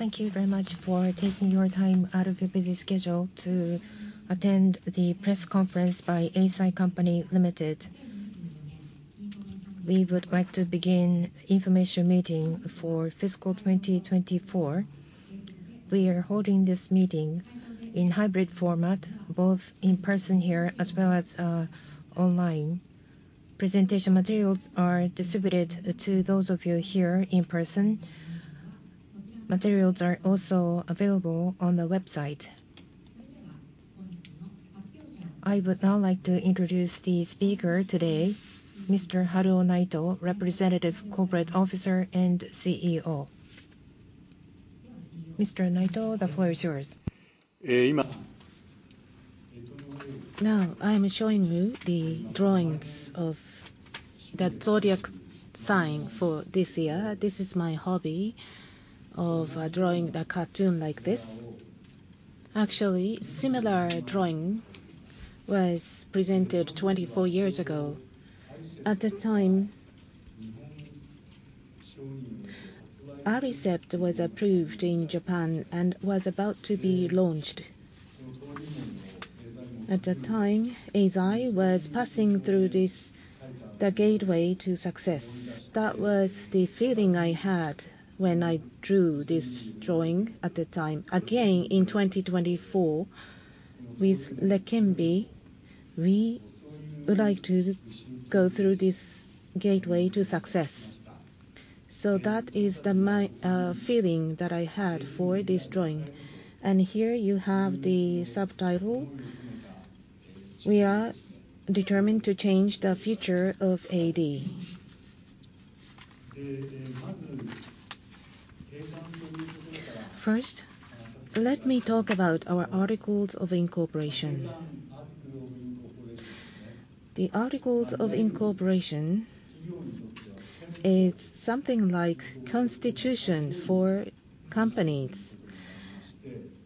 Thank you very much for taking your time out of your busy schedule to attend the press conference by Eisai Co., Ltd. We would like to begin information meeting for fiscal 2024. We are holding this meeting in hybrid format, both in person here as well as online. Presentation materials are distributed to those of you here in person. Materials are also available on the website. I would now like to introduce the speaker today, Mr. Haruo Naito, Representative Corporate Officer and CEO. Mr. Naito, the floor is yours. Now, I'm showing you the drawings of the zodiac sign for this year. This is my hobby, of drawing the cartoon like this. Actually, similar drawing was presented 24 years ago. At the time, Aricept was approved in Japan and was about to be launched. At the time, Eisai was passing through this, the gateway to success. That was the feeling I had when I drew this drawing at the time. Again, in 2024, with Leqembi, we would like to go through this gateway to success. So that is the my feeling that I had for this drawing. And here you have the subtitle: "We are determined to change the future of AD." First, let me talk about our articles of incorporation. The articles of incorporation, it's something like constitution for companies.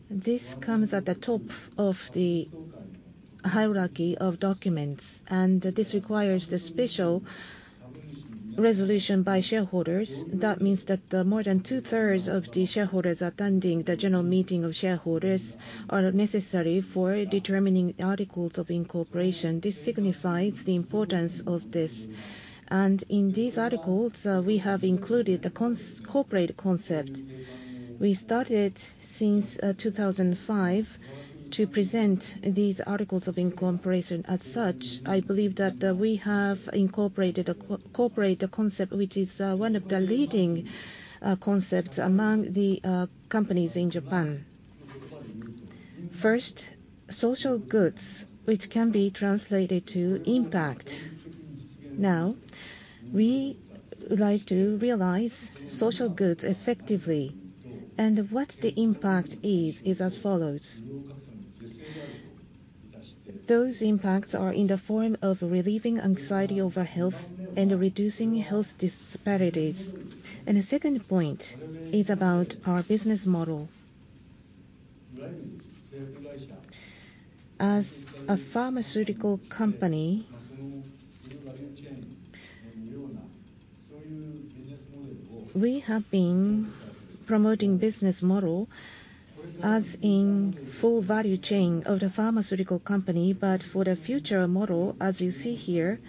This comes at the top of the hierarchy of documents, and this requires the special resolution by shareholders. That means that more than two-thirds of the shareholders attending the general meeting of shareholders are necessary for determining articles of incorporation. This signifies the importance of this. And in these articles, we have included the corporate concept. We started since 2005 to present these articles of incorporation. As such, I believe that we have incorporated a corporate concept, which is one of the leading concepts among the companies in Japan. First, social goods, which can be translated to impact. Now, we would like to realize social goods effectively, and what the impact is, is as follows. Those impacts are in the form of relieving anxiety over health and reducing health disparities. And the second point is about our business model. As a pharmaceutical company, we have been promoting business model as in full value chain of the pharmaceutical company, but for the future model, as you see here,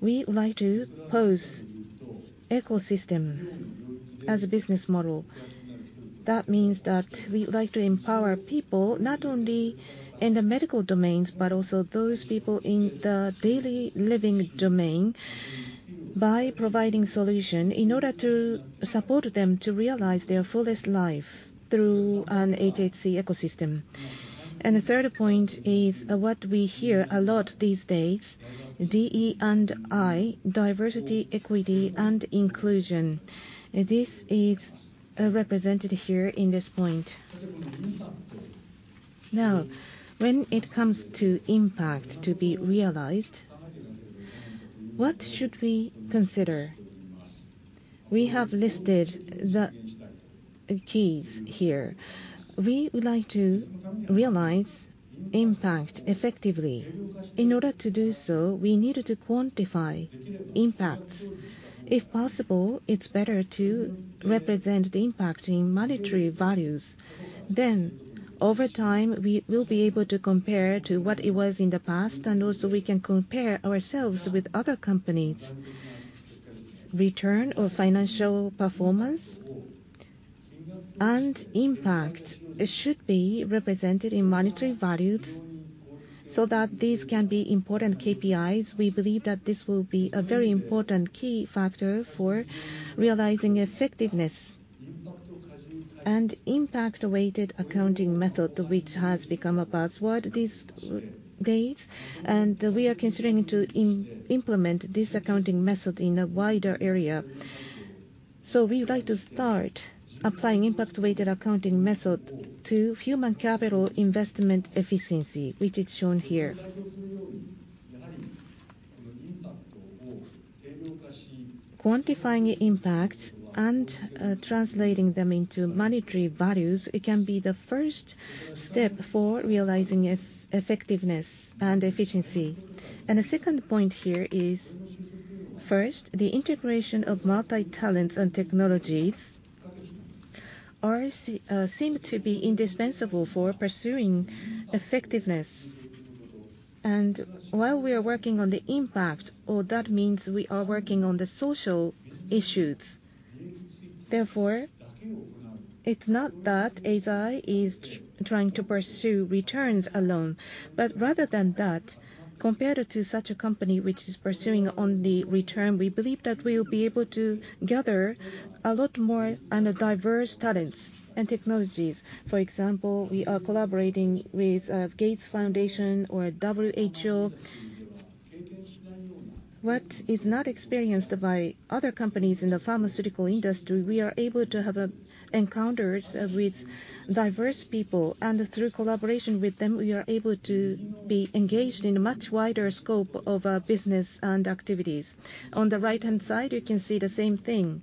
we would like to pose ecosystem as a business model. That means that we would like to empower people, not only in the medical domains, but also those people in the daily living domain, by providing solution in order to support them to realize their fullest life through an hhc ecosystem. And the third point is, what we hear a lot these days, DE&I, diversity, equity, and inclusion. This is, represented here in this point. Now, when it comes to impact to be realized, what should we consider? We have listed the keys here. We would like to realize impact effectively. In order to do so, we needed to quantify impacts. If possible, it's better to represent the impact in monetary values. Then, over time, we will be able to compare to what it was in the past, and also we can compare ourselves with other companies. Return on financial performance and impact, it should be represented in monetary values so that these can be important KPIs. We believe that this will be a very important key factor for realizing effectiveness. Impact-weighted accounting method, which has become a buzzword these days, and we are considering to implement this accounting method in a wider area. So we would like to start applying impact-weighted accounting method to human capital investment efficiency, which is shown here. Quantifying impact and translating them into monetary values, it can be the first step for realizing effectiveness and efficiency. The second point here is. First, the integration of multi-talents and technologies seem to be indispensable for pursuing effectiveness. While we are working on the impact, or that means we are working on the social issues, therefore, it's not that Eisai is trying to pursue returns alone. But rather than that, compared to such a company which is pursuing only return, we believe that we'll be able to gather a lot more on the diverse talents and technologies. For example, we are collaborating with Gates Foundation or WHO. What is not experienced by other companies in the pharmaceutical industry, we are able to have encounters with diverse people, and through collaboration with them, we are able to be engaged in a much wider scope of business and activities. On the right-hand side, you can see the same thing.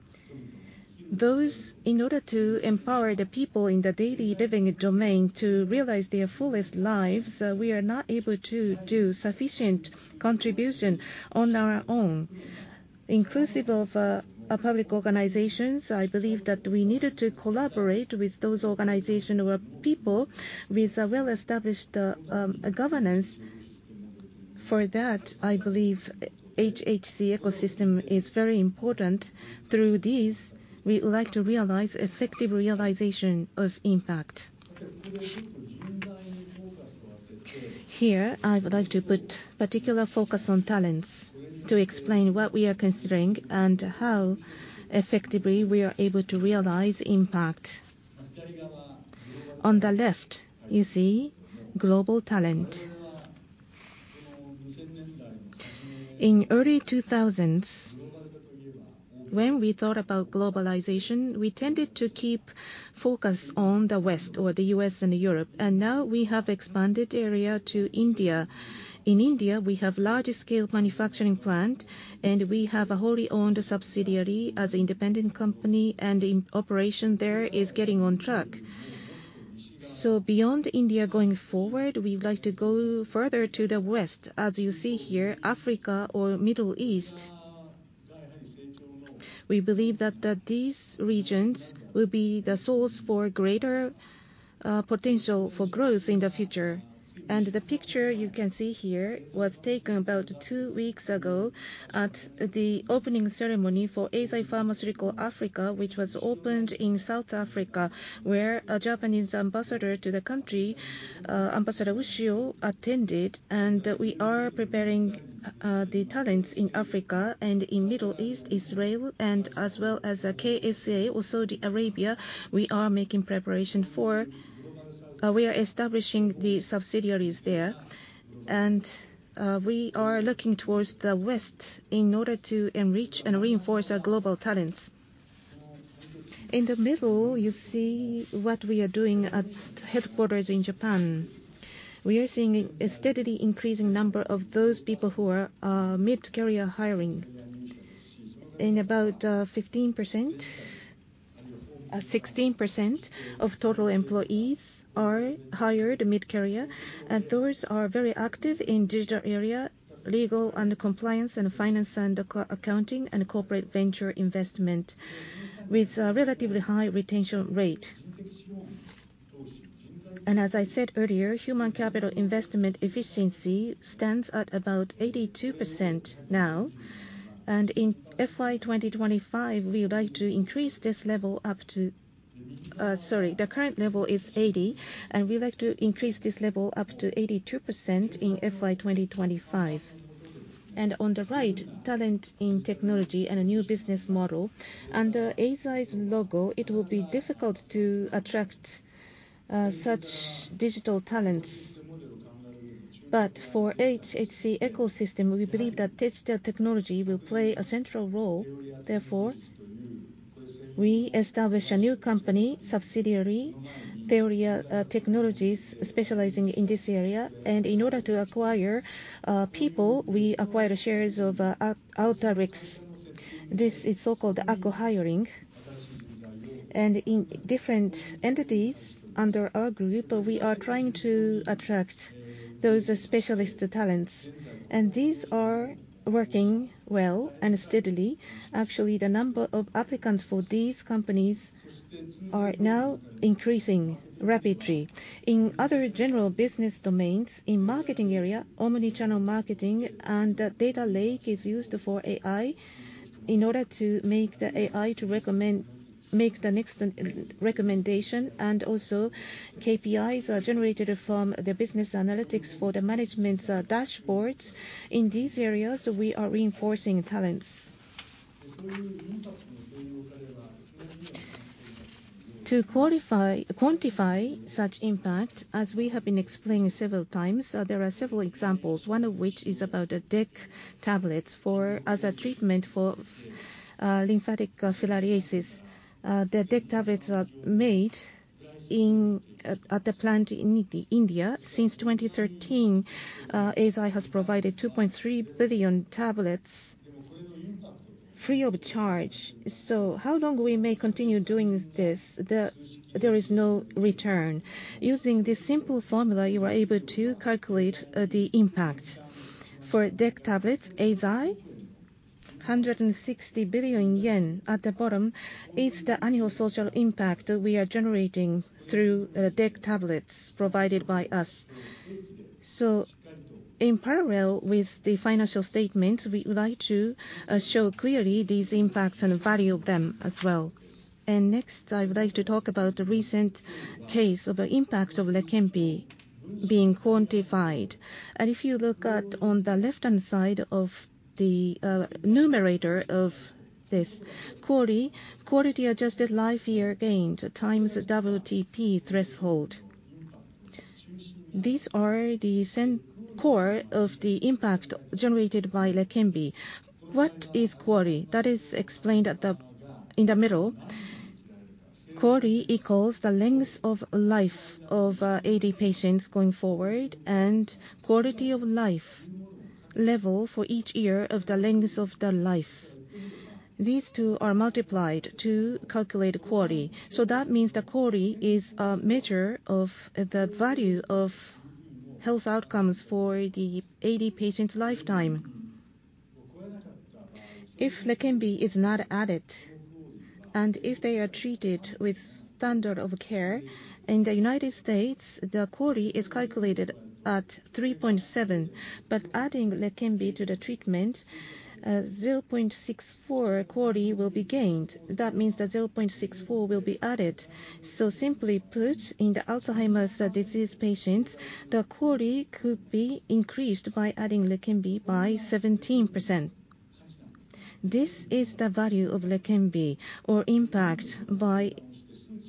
Those, in order to empower the people in the daily living domain to realize their fullest lives, we are not able to do sufficient contribution on our own. Inclusive of a public organizations, I believe that we needed to collaborate with those organization or people with a well-established governance. For that, I believe HHC ecosystem is very important. Through these, we would like to realize effective realization of impact. Here, I would like to put particular focus on talents, to explain what we are considering and how effectively we are able to realize impact. On the left, you see global talent. In early 2000s, when we thought about globalization, we tended to keep focus on the West or the U.S. and Europe, and now we have expanded area to India. In India, we have large-scale manufacturing plant, and we have a wholly owned subsidiary as independent company, and the operation there is getting on track. So beyond India, going forward, we'd like to go further to the West. As you see here, Africa or Middle East. We believe that these regions will be the source for greater potential for growth in the future. And the picture you can see here was taken about two weeks ago at the opening ceremony for Eisai Pharmaceuticals Africa, which was opened in South Africa, where a Japanese ambassador to the country, Ambassador Ushio, attended. And we are preparing the talents in Africa and in Middle East, Israel, and as well as KSA or Saudi Arabia. We are establishing the subsidiaries there. And, we are looking towards the West in order to enrich and reinforce our global talents. In the middle, you see what we are doing at headquarters in Japan. We are seeing a steadily increasing number of those people who are mid-career hiring. In about 15%-16% of total employees are hired mid-career, and those are very active in digital area, legal and compliance, and finance and accounting, and corporate venture investment, with a relatively high retention rate. And as I said earlier, human capital investment efficiency stands at about 82% now, and in FY 2025, we would like to increase this level up to... Sorry, the current level is 80, and we'd like to increase this level up to 82% in FY 2025. And on the right, talent in technology and a new business model. Under Eisai's logo, it will be difficult to attract such digital talents. But for HHC ecosystem, we believe that digital technology will play a central role. Therefore, we establish a new company, subsidiary, Theoria Technologies, specializing in this area. And in order to acquire people, we acquired shares of Arteryex. This is so-called acq-hiring. And in different entities under our group, we are trying to attract those specialist talents, and these are working well and steadily. Actually, the number of applicants for these companies are now increasing rapidly. In other general business domains, in marketing area, omni-channel marketing and data lake is used for AI in order to make the AI recommend the next recommendation, and also KPIs are generated from the business analytics for the management's dashboards. In these areas, we are reinforcing talents. To quantify such impact, as we have been explaining several times, there are several examples, one of which is about DEC tablets as a treatment for lymphatic filariasis. The DEC tablets are made at the plant in India. Since 2013, Eisai has provided 2.3 billion tablets free of charge. So how long we may continue doing this? There is no return. Using this simple formula, you are able to calculate the impact. For DEC Tablets, 160 billion yen. At the bottom is the annual social impact that we are generating through DEC Tablets provided by us. So in parallel with the financial statement, we would like to show clearly these impacts and the value of them as well. Next, I would like to talk about the recent case of the impact of Leqembi being quantified. If you look at on the left-hand side of the numerator of this QALY, quality-adjusted life year gained times WTP threshold. These are the same core of the impact generated by Leqembi. What is QALY? That is explained at the, in the middle. QALY equals the length of life of AD patients going forward, and quality of life level for each year of the length of their life. These two are multiplied to calculate QALY. So that means the QALY is a measure of the value of health outcomes for the AD patient's lifetime. If Leqembi is not added, and if they are treated with standard of care, in the United States, the QALY is calculated at 3.7. But adding Leqembi to the treatment, 0.64 QALY will be gained. That means that 0.64 will be added. So simply put, in the Alzheimer's disease patients, the QALY could be increased by adding Leqembi by 17%. This is the value of Leqembi or impact by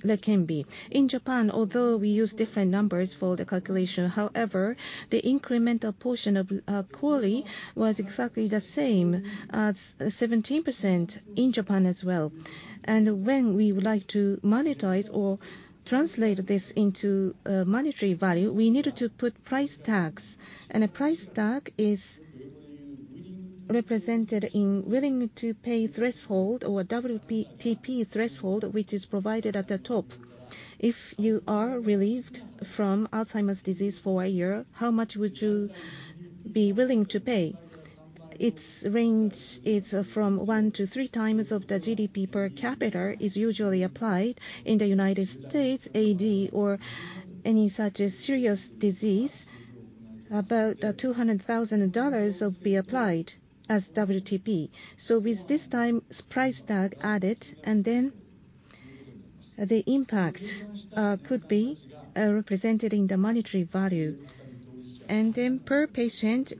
Leqembi. In Japan, although we use different numbers for the calculation, however, the incremental portion of QALY was exactly the same, 17% in Japan as well. And when we would like to monetize or translate this into a monetary value, we needed to put price tags, and a price tag is represented in willing to pay threshold or WTP threshold, which is provided at the top. If you are relieved from Alzheimer's disease for a year, how much would you be willing to pay? Its range is 1-3 times of the GDP per capita, is usually applied. In the United States, AD or any such serious disease, about $200,000 will be applied as WTP. So with this time, price tag added, and then the impact could be represented in the monetary value. And then per patient,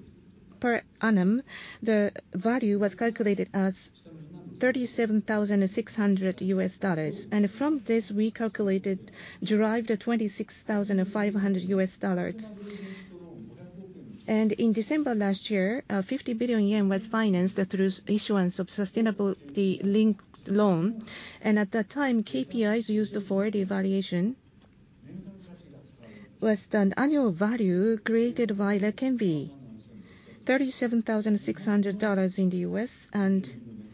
per annum, the value was calculated as $37,600. And from this, we calculated, derived the $26,500. And in December last year, 50 billion yen was financed through issuance of sustainability-linked loan. And at that time, KPIs used for the evaluation was the annual value created by Leqembi, $37,600 in the US, and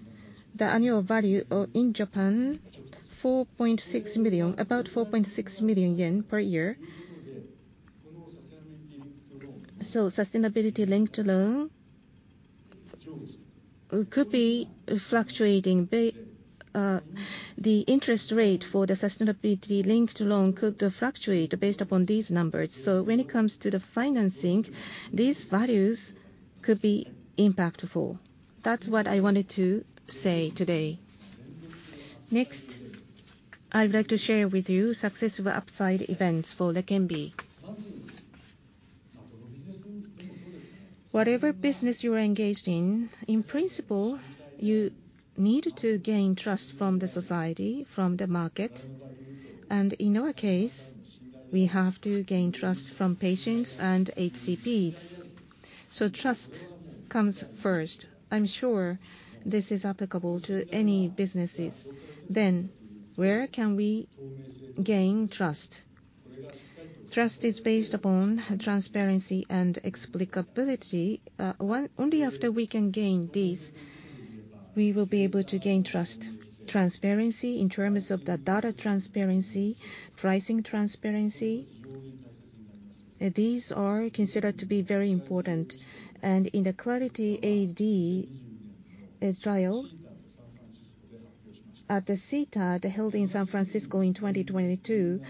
the annual value of in Japan, 4.6 million, about 4.6 million yen per year. So sustainability linked loan could be fluctuating, the interest rate for the sustainability linked loan could fluctuate based upon these numbers. So when it comes to the financing, these values could be impactful. That's what I wanted to say today. Next, I'd like to share with you successful upside events for Leqembi. Whatever business you are engaged in, in principle, you need to gain trust from the society, from the market, and in our case, we have to gain trust from patients and HCPs. So trust comes first. I'm sure this is applicable to any businesses. Then, where can we gain trust? Trust is based upon transparency and explicability. Only after we can gain this, we will be able to gain trust. Transparency in terms of the data transparency, pricing transparency, these are considered to be very important. In the Clarity AD trial, at the CTAD held in San Francisco in 2022,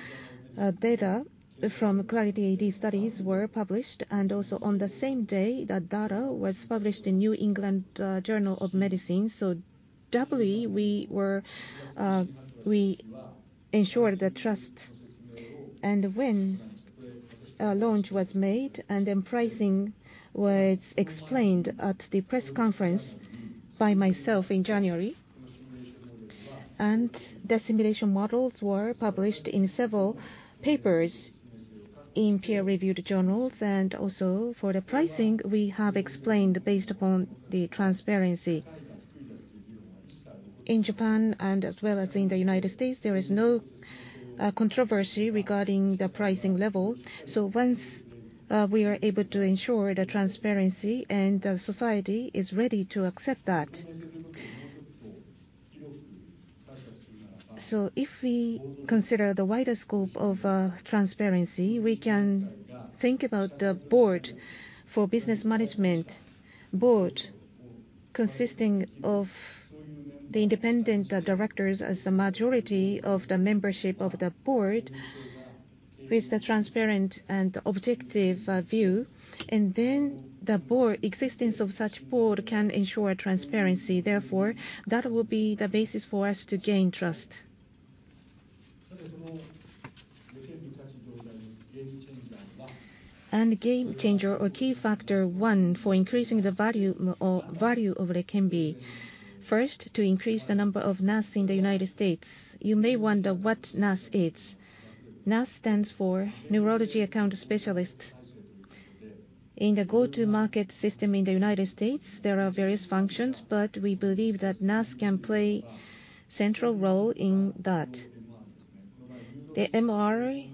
data from Clarity AD studies were published, and also on the same day, the data was published in New England Journal of Medicine. So doubly, we were, we ensured the trust. And when a launch was made, and then pricing was explained at the press conference by myself in January, and the simulation models were published in several papers, in peer-reviewed journals, and also for the pricing, we have explained based upon the transparency... in Japan and as well as in the United States, there is no controversy regarding the pricing level. So once, we are able to ensure the transparency and the society is ready to accept that. So if we consider the wider scope of transparency, we can think about the board for business management. Board consisting of the independent directors as the majority of the membership of the board, with the transparent and objective view. The board's existence can ensure transparency; therefore, that will be the basis for us to gain trust. Game changer or key factor one for increasing the value of Leqembi. First, to increase the number of NAS in the United States. You may wonder what NAS is. NAS stands for neurology account specialist. In the go-to-market system in the United States, there are various functions, but we believe that NAS can play central role in that. The MR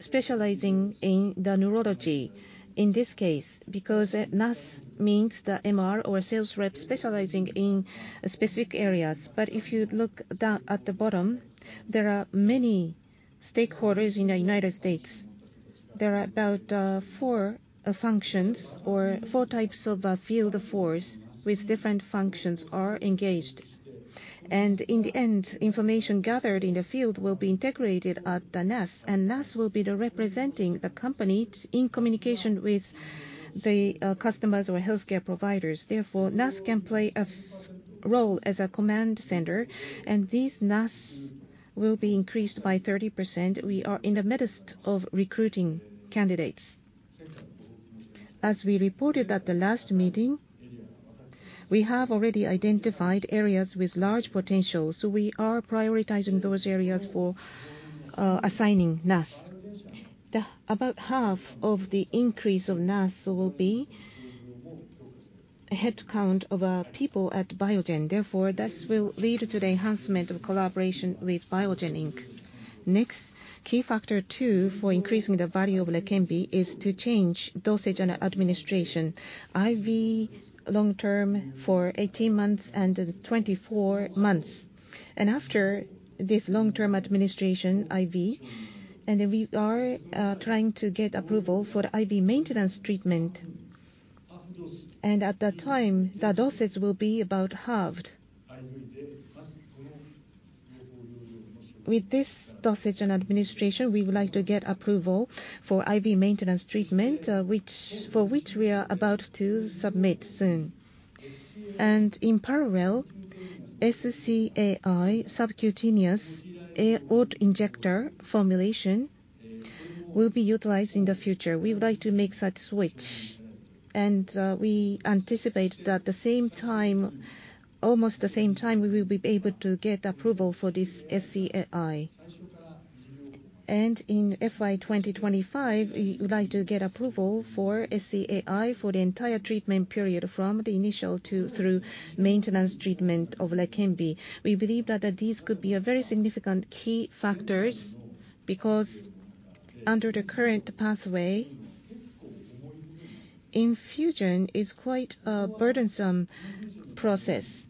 specializing in the neurology, in this case, because NAS means the MR or sales rep specializing in specific areas. But if you look down at the bottom, there are many stakeholders in the United States. There are about 4 functions or 4 types of field force with different functions are engaged. In the end, information gathered in the field will be integrated at the NAS, and NAS will be the representing the company in communication with the customers or healthcare providers. Therefore, NAS can play a role as a command center, and these NAS will be increased by 30%. We are in the midst of recruiting candidates. As we reported at the last meeting, we have already identified areas with large potential, so we are prioritizing those areas for assigning NAS. About half of the increase of NAS will be headcount of people at Biogen. Therefore, this will lead to the enhancement of collaboration with Biogen Inc. Next, key factor 2 for increasing the value of Leqembi is to change dosage and administration. IV long-term for 18 months and 24 months, and after this long-term administration, IV, and then we are trying to get approval for IV maintenance treatment. And at that time, the dosage will be about halved. With this dosage and administration, we would like to get approval for IV maintenance treatment, which—for which we are about to submit soon. And in parallel, SCAI, subcutaneous auto-injector formulation, will be utilized in the future. We would like to make such switch, and we anticipate that the same time, almost the same time, we will be able to get approval for this SCAI. And in FY 2025, we would like to get approval for SCAI for the entire treatment period from the initial to, through maintenance treatment of Leqembi. We believe that, that these could be very significant key factors, because under the current pathway, infusion is quite a burdensome process.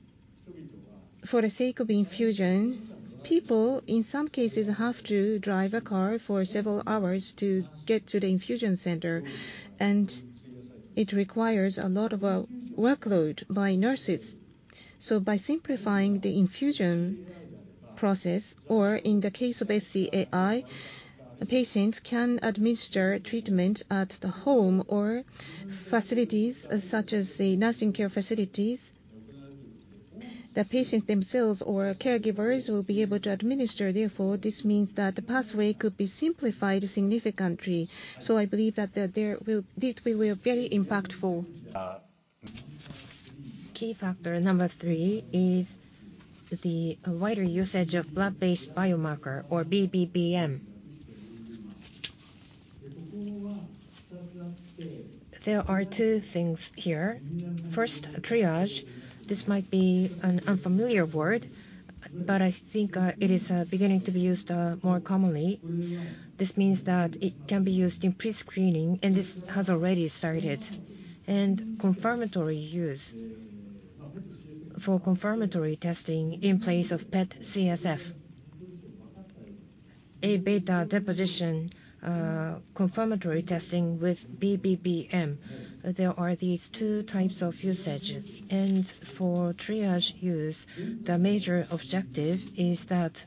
For the sake of infusion, people, in some cases, have to drive a car for several hours to get to the infusion center, and it requires a lot of workload by nurses. So by simplifying the infusion process, or in the case of SCAI, the patients can administer treatment at the home or facilities, such as the nursing care facilities. The patients themselves or caregivers will be able to administer; therefore, this means that the pathway could be simplified significantly. So I believe that, that it will be very impactful. Key factor number 3 is the wider usage of blood-based biomarker, or BBBM. There are two things here. First, triage. This might be an unfamiliar word, but I think it is beginning to be used more commonly. This means that it can be used in pre-screening, and this has already started. And confirmatory use. For confirmatory testing in place of PET CSF. Aβ deposition, confirmatory testing with BBBM. There are these two types of usages. And for triage use, the major objective is that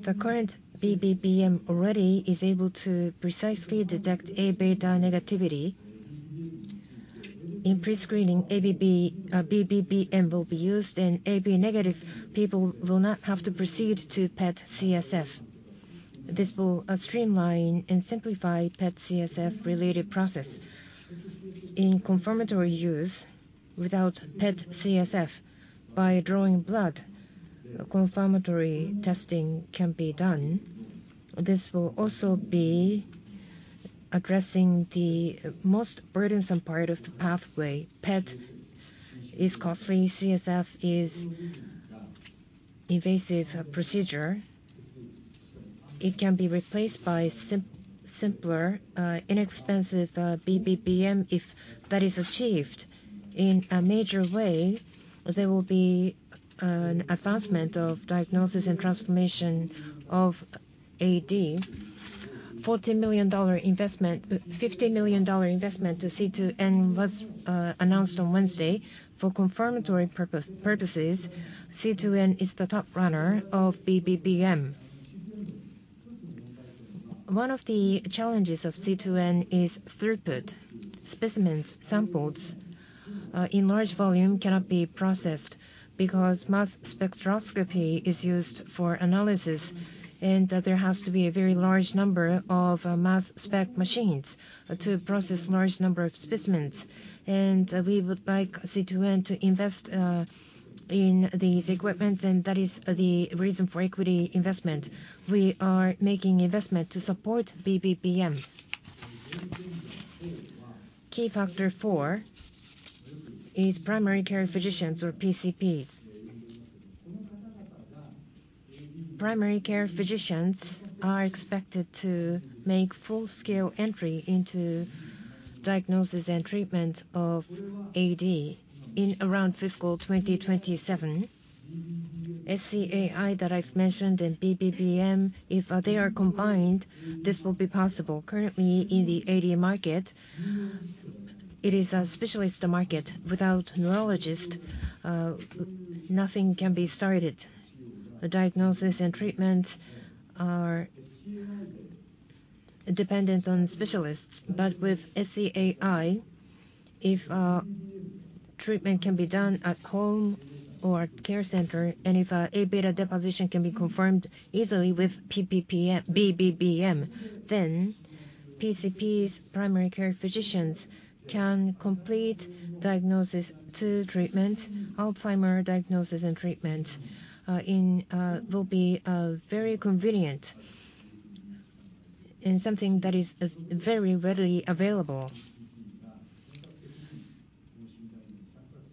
the current BBBM already is able to precisely detect Aβ negativity. In pre-screening, Aβ BBBM will be used, and Aβ negative people will not have to proceed to PET CSF. This will streamline and simplify PET CSF-related process. In confirmatory use, without PET CSF, by drawing blood, confirmatory testing can be done. This will also be-... addressing the most burdensome part of the pathway. PET is costly, CSF is invasive procedure. It can be replaced by simpler, inexpensive BBBM. If that is achieved in a major way, there will be an advancement of diagnosis and transformation of AD. $50 million investment to C2N was announced on Wednesday. For confirmatory purposes, C2N is the top runner of BBBM. One of the challenges of C2N is throughput. Specimens, samples, in large volume cannot be processed because mass spectrometry is used for analysis, and there has to be a very large number of mass spec machines to process large number of specimens. And we would like C2N to invest in these equipment, and that is the reason for equity investment. We are making investment to support BBBM. Key factor 4 is primary care physicians or PCPs. Primary care physicians are expected to make full-scale entry into diagnosis and treatment of AD in around fiscal 2027. SCAI, that I've mentioned, and BBBM, if they are combined, this will be possible. Currently, in the AD market, it is a specialist market. Without neurologist, nothing can be started. The diagnosis and treatments are dependent on specialists, but with SCAI, if treatment can be done at home or at care center, and if A-beta deposition can be confirmed easily with BBBM, then PCPs, primary care physicians, can complete diagnosis to treatment. Alzheimer diagnosis and treatment, in, will be very convenient and something that is very readily available.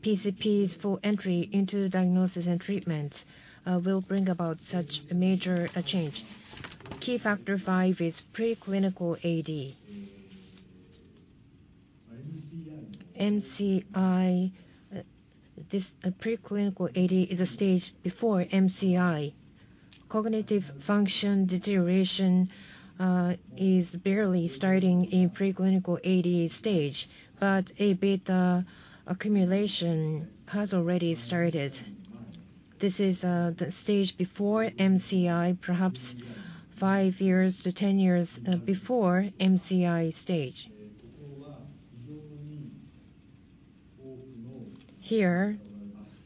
PCPs, full entry into diagnosis and treatment, will bring about such a major change. Key factor 5 is pre-clinical AD. MCI, this, pre-clinical AD is a stage before MCI. Cognitive function deterioration is barely starting in pre-clinical AD stage, but Aβ accumulation has already started. This is the stage before MCI, perhaps 5-10 years before MCI stage. Here,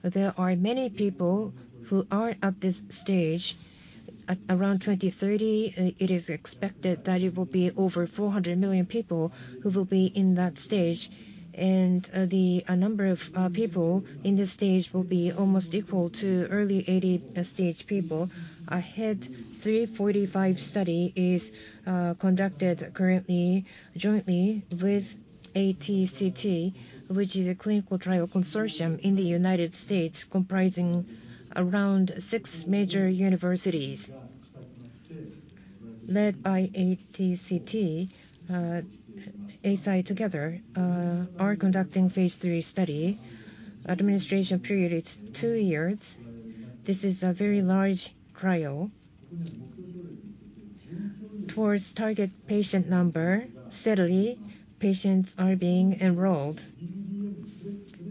there are many people who are at this stage. At around 2030, it is expected that it will be over 400 million people who will be in that stage, and the number of people in this stage will be almost equal to early AD stage people. AHEAD 3-45 study is conducted currently jointly with ACTC, which is a clinical trial consortium in the United States, comprising around 6 major universities. Led by ACTC, Eisai together are conducting phase 3 study. Administration period is 2 years. This is a very large trial. Towards target patient number, steadily, patients are being enrolled.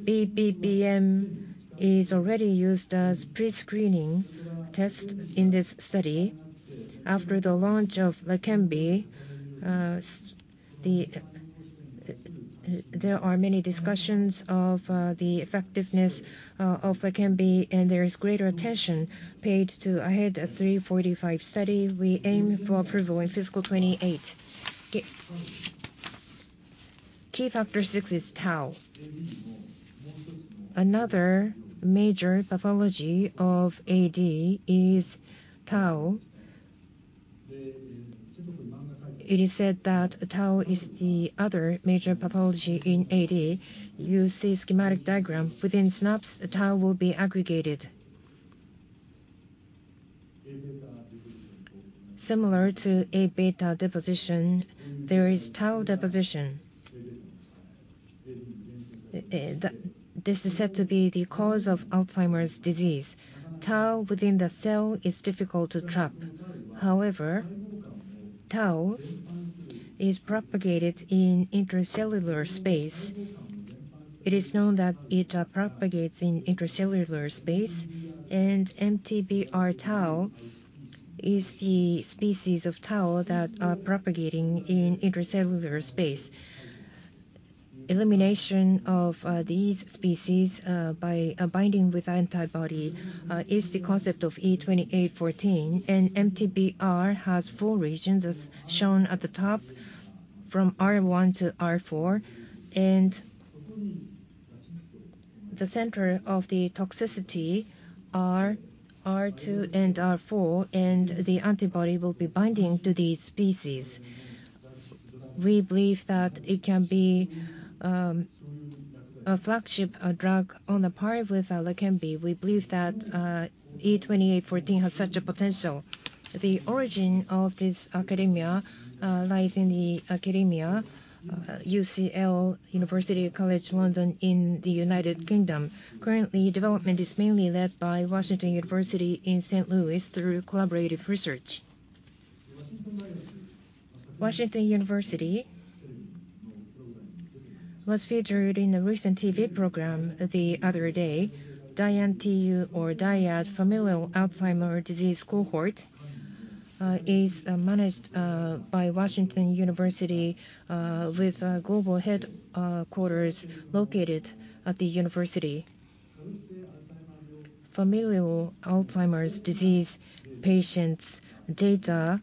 BBBM is already used as pre-screening test in this study. After the launch of Leqembi, there are many discussions of the effectiveness of Leqembi, and there is greater attention paid to AHEAD 3-45 study. We aim for approval in fiscal 2028. Key factor six is tau. Another major pathology of AD is tau. It is said that tau is the other major pathology in AD. You see schematic diagram. Within synapse, the tau will be aggregated. Similar to A-beta deposition, there is tau deposition. This is said to be the cause of Alzheimer's disease. Tau within the cell is difficult to trap. However, tau is propagated in intercellular space. It is known that it propagates in intercellular space, and MTBR-tau is the species of tau that are propagating in intercellular space. Elimination of these species by binding with antibody is the concept of E2814, and MTBR-tau has four regions, as shown at the top, from R1 to R4, and the center of the toxicity are R2 and R4, and the antibody will be binding to these species. We believe that it can be a flagship, a drug on par with Leqembi. We believe that E2814 has such a potential. The origin of this academia lies in the academia UCL, University College London, in the United Kingdom. Currently, development is mainly led by Washington University in St. Louis through collaborative research. Washington University was featured in a recent TV program the other day. DIAN-TU or DIAD Familial Alzheimer's Disease Cohort is managed by Washington University with global headquarters located at the university. Familial Alzheimer's disease patients' data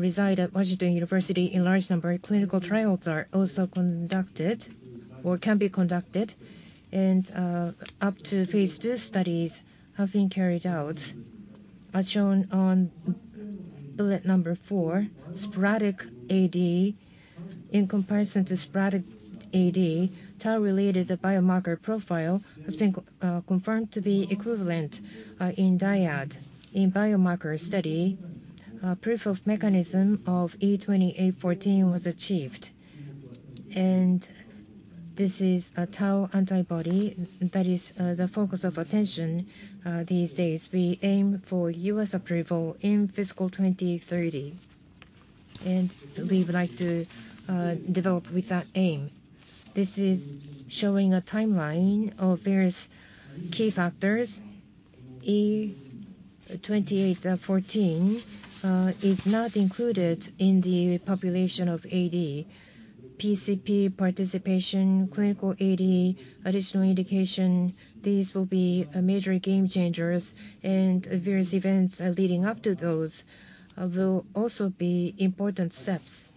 reside at Washington University in large number. Clinical trials are also conducted or can be conducted, and up to phase 2 studies have been carried out. As shown on bullet number 4, sporadic AD, in comparison to sporadic AD, tau-related biomarker profile has been confirmed to be equivalent in DIAD. In biomarker study, proof of mechanism of E2814 was achieved, and this is a tau antibody that is the focus of attention these days. We aim for U.S. approval in fiscal 2030, and we would like to develop with that aim. This is showing a timeline of various key factors. E-2814 is not included in the population of AD. PCP participation, clinical AD, additional indication, these will be a major game changers, and various events leading up to those will also be important steps.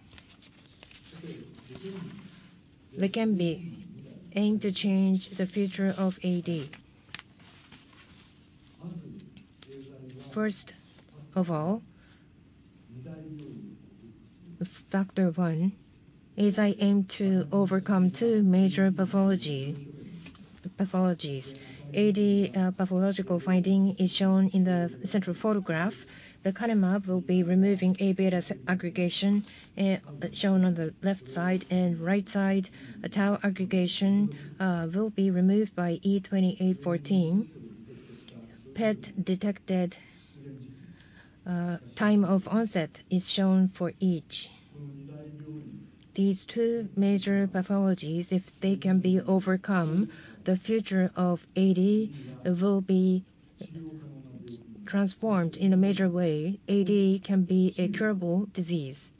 Leqembi aim to change the future of AD. First of all, factor one is I aim to overcome two major pathology, pathologies. AD pathological finding is shown in the central photograph. Lecanemab will be removing A-beta aggregation shown on the left side and right side. A tau aggregation will be removed by E-2814. PET-detected time of onset is shown for each. These two major pathologies, if they can be overcome, the future of AD will be transformed in a major way. AD can be a curable disease,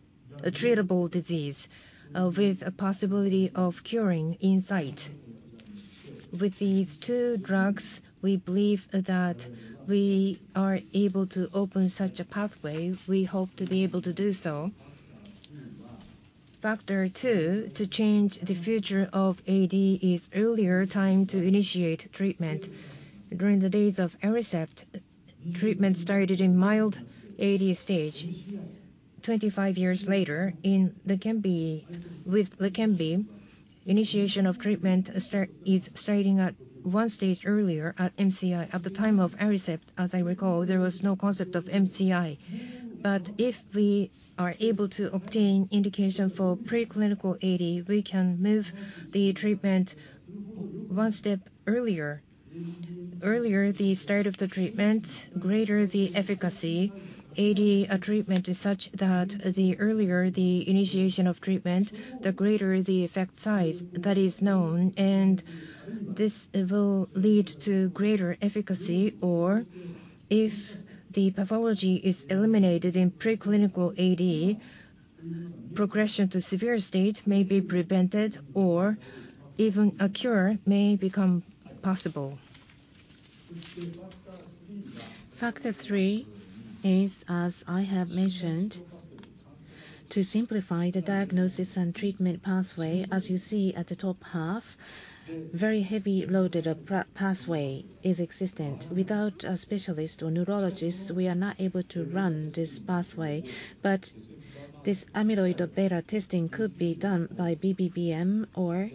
a treatable disease with a possibility of curing in sight. With these two drugs, we believe that we are able to open such a pathway. We hope to be able to do so. Factor two, to change the future of AD, is earlier time to initiate treatment. During the days of Aricept, treatment started in mild AD stage. Twenty-five years later, in Leqembi, with Leqembi, initiation of treatment start, is starting at one stage earlier, at MCI. At the time of Aricept, as I recall, there was no concept of MCI. But if we are able to obtain indication for preclinical AD, we can move the treatment one step earlier. Earlier the start of the treatment, greater the efficacy. AD, treatment is such that the earlier the initiation of treatment, the greater the effect size. That is known, and this will lead to greater efficacy, or if the pathology is eliminated in preclinical AD, progression to severe state may be prevented or even a cure may become possible. Factor three is, as I have mentioned, to simplify the diagnosis and treatment pathway. As you see at the top half, very heavily loaded pathway is existent. Without a specialist or neurologist, we are not able to run this pathway, but this amyloid beta testing could be done by BBBM or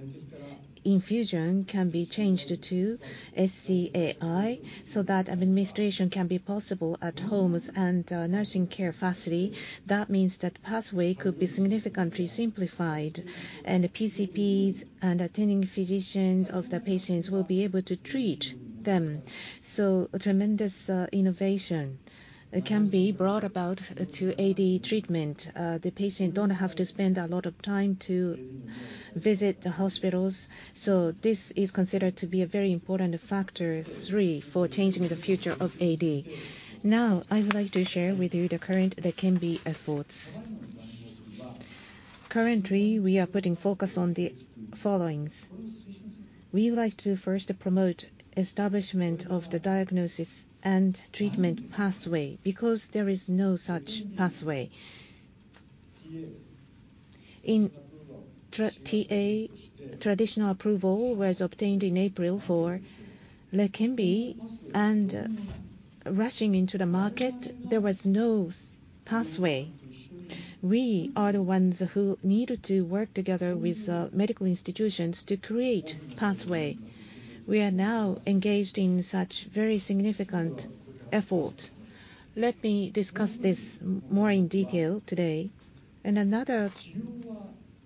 infusion can be changed to SCAI, so that administration can be possible at homes and nursing care facility. That means that pathway could be significantly simplified, and PCPs and attending physicians of the patients will be able to treat them. So a tremendous innovation, it can be brought about to AD treatment. The patient don't have to spend a lot of time to visit the hospitals, so this is considered to be a very important factor three for changing the future of AD. Now, I would like to share with you the current Leqembi efforts. Currently, we are putting focus on the followings. We would like to first promote establishment of the diagnosis and treatment pathway, because there is no such pathway.... In traditional approval was obtained in April for Leqembi, and rushing into the market, there was no such pathway. We are the ones who needed to work together with medical institutions to create pathway. We are now engaged in such very significant effort. Let me discuss this more in detail today. And another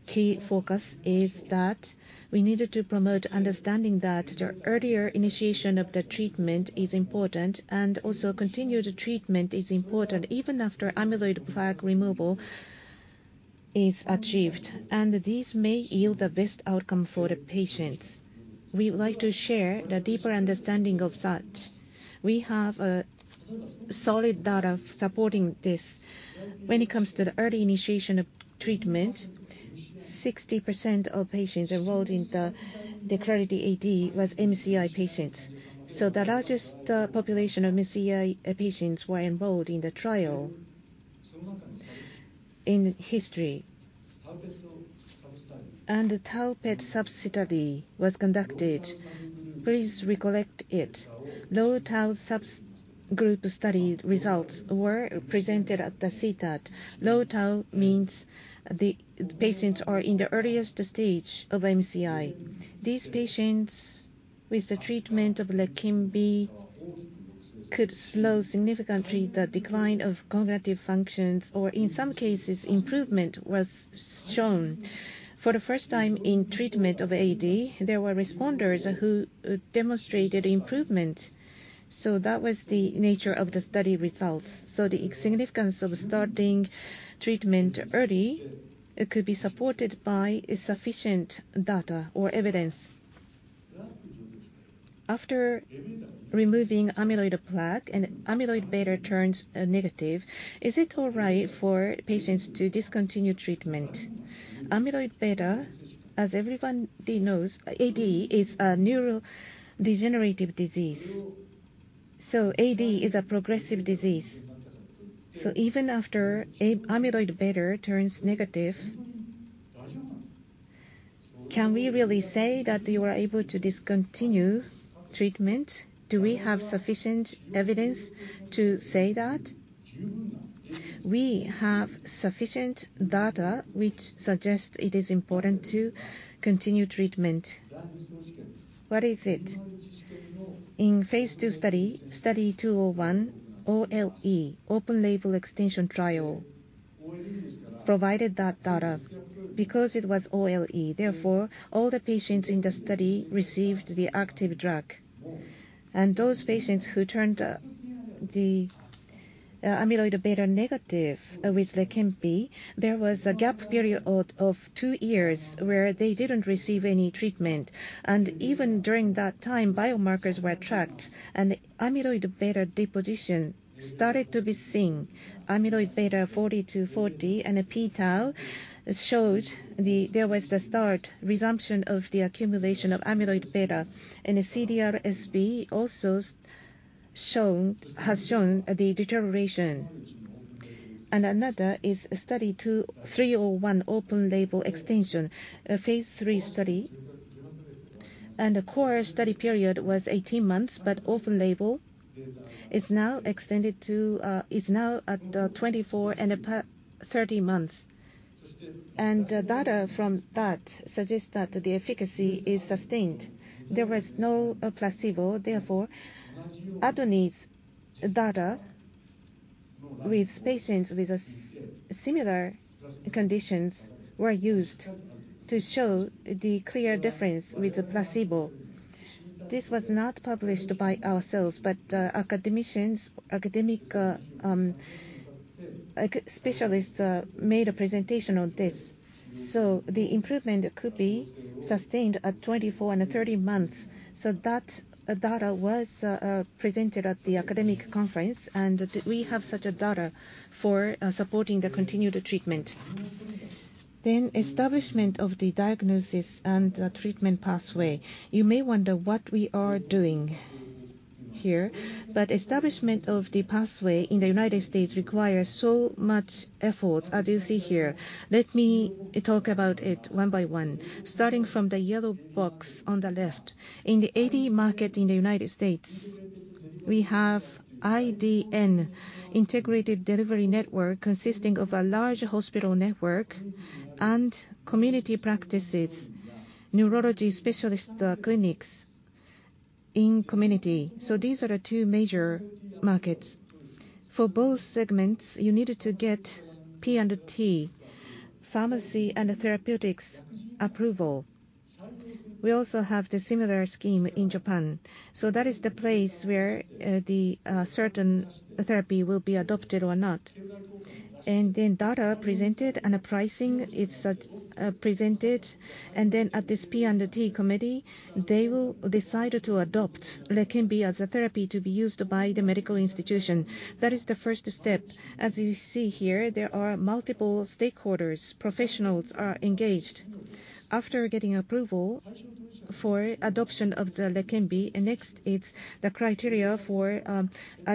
key focus is that we needed to promote understanding that the earlier initiation of the treatment is important, and also continued treatment is important even after amyloid plaque removal is achieved, and this may yield the best outcome for the patients. We would like to share the deeper understanding of such. We have solid data supporting this. When it comes to the early initiation of treatment, 60% of patients enrolled in the Clarity AD was MCI patients. So the largest population of MCI patients were enrolled in the trial in history. And the tau PET substudy was conducted. Please recollect it. Low tau subgroup study results were presented at the CTAD. Low tau means the patients are in the earliest stage of MCI. These patients with the treatment of Leqembi could slow significantly the decline of cognitive functions, or in some cases, improvement was shown. For the first time in treatment of AD, there were responders who demonstrated improvement, so that was the nature of the study results. So the significance of starting treatment early, it could be supported by sufficient data or evidence. After removing amyloid plaque and amyloid beta turns negative, is it all right for patients to discontinue treatment? Amyloid beta, as everybody knows, AD is a neurodegenerative disease, so AD is a progressive disease. So even after amyloid beta turns negative, can we really say that you are able to discontinue treatment? Do we have sufficient evidence to say that? We have sufficient data which suggests it is important to continue treatment. What is it? In phase 2 study, study 201, OLE, open label extension trial, provided that data. Because it was OLE, therefore, all the patients in the study received the active drug. And those patients who turned amyloid beta negative with Leqembi, there was a gap period of 2 years where they didn't receive any treatment, and even during that time, biomarkers were tracked, and the amyloid beta deposition started to be seen. Amyloid beta 40-42 and p-tau showed there was the start, resumption of the accumulation of amyloid beta, and the CDR-SB also has shown the deterioration. Another is a study 2301, open label extension, a phase 3 study, and the core study period was 18 months, but open label is now extended to, is now at, 24 and approximately 30 months. And the data from that suggests that the efficacy is sustained. There was no placebo, therefore, ADNI data with patients with similar conditions were used to show the clear difference with the placebo. This was not published by ourselves, but academicians, academic, specialists made a presentation on this. So the improvement could be sustained at 24 and 30 months. So that data was presented at the academic conference, and we have such a data for supporting the continued treatment. Then establishment of the diagnosis and the treatment pathway. You may wonder what we are doing here, but establishment of the pathway in the United States requires so much effort, as you see here. Let me talk about it one by one, starting from the yellow box on the left. In the AD market in the United States, we have IDN, integrated delivery network, consisting of a large hospital network and community practices, neurology specialist clinics in community. So these are the two major markets. For both segments, you needed to get P&T, pharmacy and therapeutics approval. We also have the similar scheme in Japan. So that is the place where, the, certain therapy will be adopted or not. And then data presented and a pricing is, presented, and then at this P&T committee, they will decide to adopt Leqembi as a therapy to be used by the medical institution. That is the first step. As you see here, there are multiple stakeholders, professionals are engaged, after getting approval for adoption of the Leqembi, and next, it's the criteria for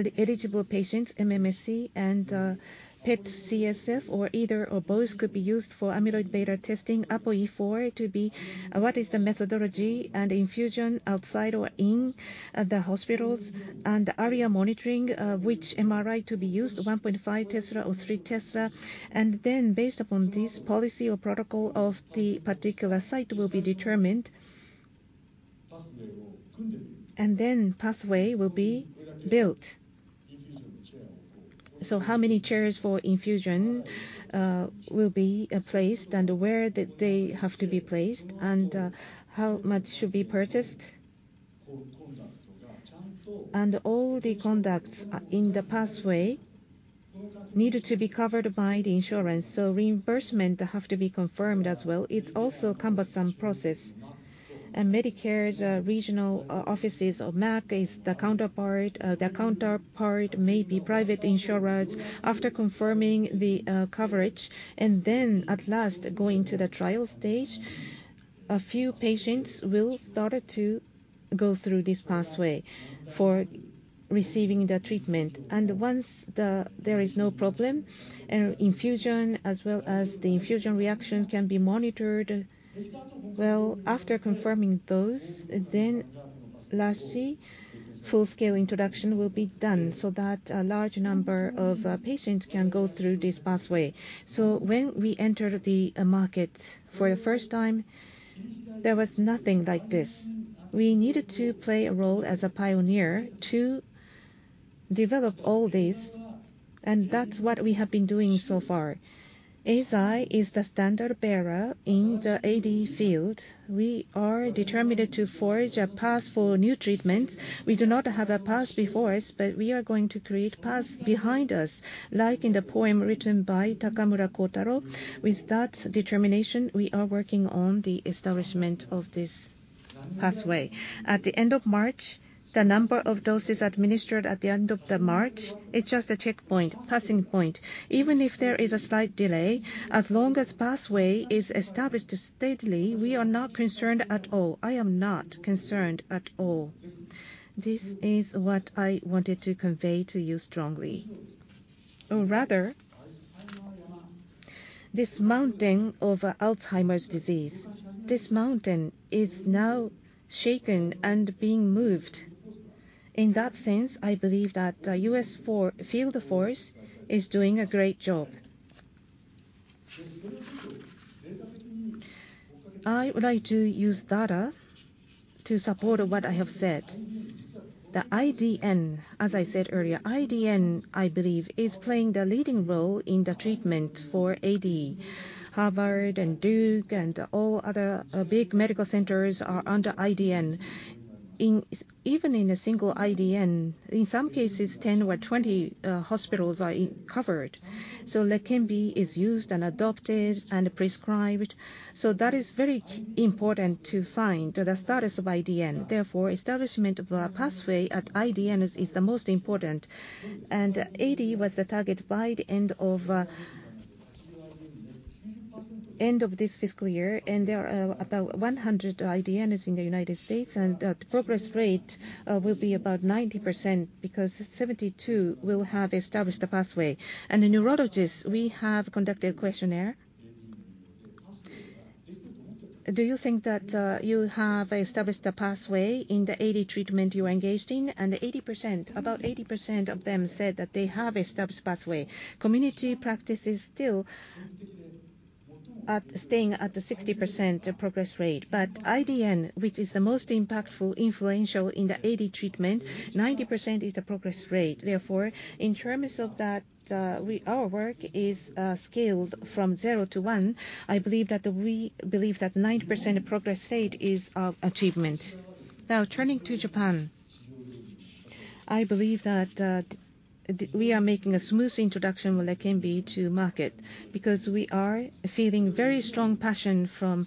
eligible patients, MMSE, and PET CSF, or either or both could be used for amyloid beta testing, APOE4 to be, what is the methodology and infusion outside or in the hospitals, and the ARIA monitoring, which MRI to be used, 1.5 Tesla or 3 Tesla. Then based upon this policy or protocol of the particular site will be determined, and then pathway will be built. So how many chairs for infusion will be placed, and where they have to be placed, and how much should be purchased? All the conducts in the pathway needed to be covered by the insurance, so reimbursement have to be confirmed as well. It's also a cumbersome process. Medicare's regional offices, or MAC, is the counterpart. The counterpart may be private insurance. After confirming the coverage, and then at last, going to the trial stage, a few patients will start to go through this pathway for receiving the treatment. Once there is no problem, and infusion as well as the infusion reaction can be monitored, after confirming those, then lastly, full-scale introduction will be done, so that a large number of patients can go through this pathway. When we entered the market for the first time, there was nothing like this. We needed to play a role as a pioneer to develop all this, and that's what we have been doing so far. Eisai is the standard bearer in the AD field. We are determined to forge a path for new treatments. We do not have a path before us, but we are going to create paths behind us, like in the poem written by Takamura Kotaro. With that determination, we are working on the establishment of this pathway. At the end of March, the number of doses administered at the end of the March, it's just a checkpoint, passing point. Even if there is a slight delay, as long as pathway is established steadily, we are not concerned at all. I am not concerned at all. This is what I wanted to convey to you strongly. Or rather, this mountain of Alzheimer's disease, this mountain is now shaken and being moved. In that sense, I believe that U.S. field force is doing a great job. I would like to use data to support what I have said. The IDN, as I said earlier, IDN, I believe, is playing the leading role in the treatment for AD. Harvard and Duke and all other big medical centers are under IDN. Even in a single IDN, in some cases, 10 or 20 hospitals are covered. So Leqembi is used and adopted and prescribed, so that is very important to find the status of IDN. Therefore, establishment of a pathway at IDNs is the most important. AD was the target by the end of this fiscal year, and there are about 100 IDNs in the United States, and the progress rate will be about 90%, because 72 will have established a pathway. And the neurologists, we have conducted a questionnaire. "Do you think that you have established a pathway in the AD treatment you are engaged in?" And 80%, about 80% of them said that they have established pathway. Community practice is still at, staying at the 60% progress rate. But IDN, which is the most impactful, influential in the AD treatment, 90% is the progress rate. Therefore, in terms of that, our work is scaled from zero to one. I believe that we believe that 90% progress rate is achievement. Now, turning to Japan, I believe that we are making a smooth introduction with Leqembi to market, because we are feeling very strong passion from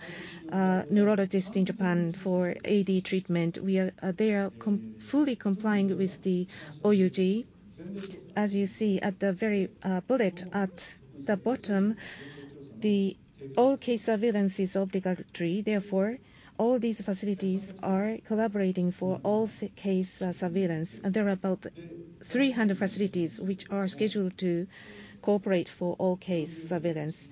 neurologists in Japan for AD treatment. We are, they are completely complying with the OUG. As you see at the very bullet at the bottom, the all-case surveillance is obligatory. Therefore, all these facilities are collaborating for all-case surveillance, and there are about 300 facilities which are scheduled to cooperate for all-case surveillance.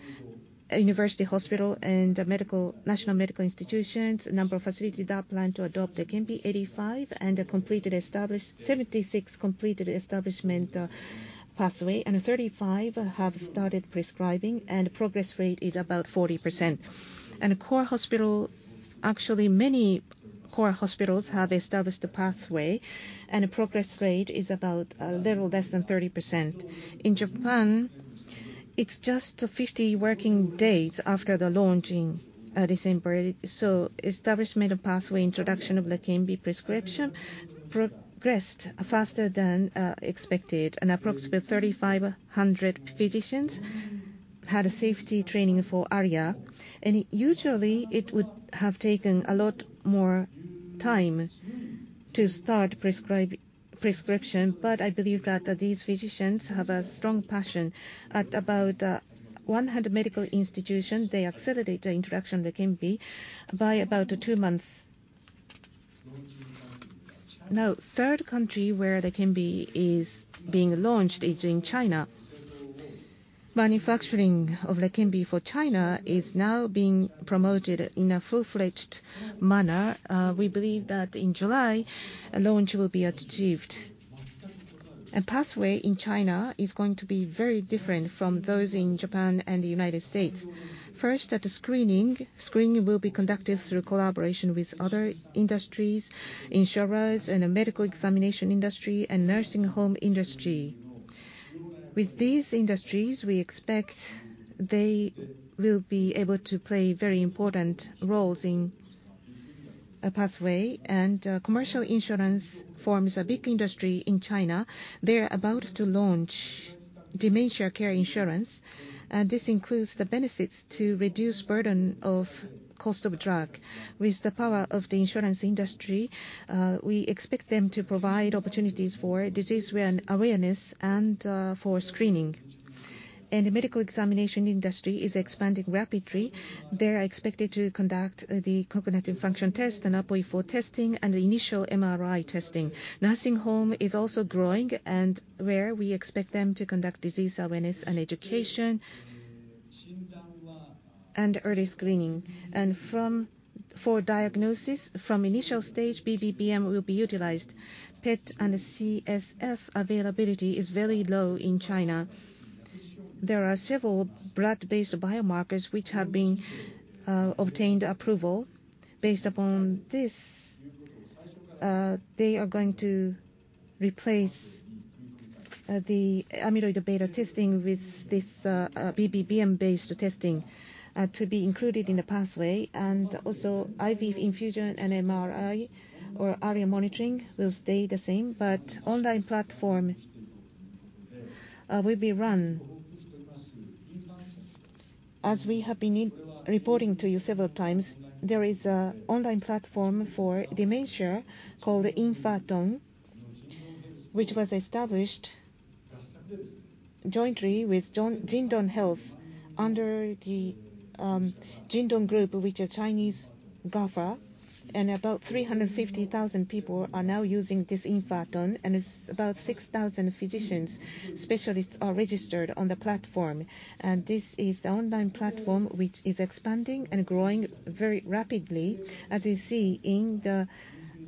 University, hospital, and medical national medical institutions, number of facilities that plan to adopt Leqembi, 85, and a completely established 76 completed establishment pathway, and 35 have started prescribing, and progress rate is about 40%. Core hospital, actually, many core hospitals have established a pathway, and progress rate is about a little less than 30%. In Japan, it's just 50 working days after the launching, December. Establishment of pathway introduction of Leqembi prescription progressed faster than expected, and approximately 3,500 physicians had a safety training for ARIA. Usually, it would have taken a lot more time to start prescribe, prescription, but I believe that these physicians have a strong passion. At about 100 medical institution, they accelerate the introduction Leqembi by about two months. Now, third country where Leqembi is being launched is in China. Manufacturing of Leqembi for China is now being promoted in a full-fledged manner. We believe that in July, a launch will be achieved. A pathway in China is going to be very different from those in Japan and the United States. First, at the screening, screening will be conducted through collaboration with other industries, insurers, and a medical examination industry and nursing home industry. With these industries, we expect they will be able to play very important roles in a pathway, and commercial insurance forms a big industry in China. They're about to launch dementia care insurance, and this includes the benefits to reduce burden of cost of drug. With the power of the insurance industry, we expect them to provide opportunities for disease awareness and for screening. And the medical examination industry is expanding rapidly. They are expected to conduct the cognitive function test, an APOE4 testing, and the initial MRI testing. Nursing home is also growing, and where we expect them to conduct disease awareness and education, and early screening. And for diagnosis, from initial stage, BBBM will be utilized. PET and CSF availability is very low in China. There are several blood-based biomarkers, which have been obtained approval. Based upon this, they are going to replace the amyloid beta testing with this BBBM-based testing to be included in the pathway, and also IV infusion and MRI or ARIA monitoring will stay the same, but online platform will be run. As we have been reporting to you several times, there is an online platform for dementia called Yin Fa Tong, which was established jointly with JD Health under the Jingdong Group, which are Chinese GAFA, and about 350,000 people are now using this Yin Fa Tong, and it's about 6,000 physicians, specialists are registered on the platform. And this is the online platform, which is expanding and growing very rapidly. As you see in the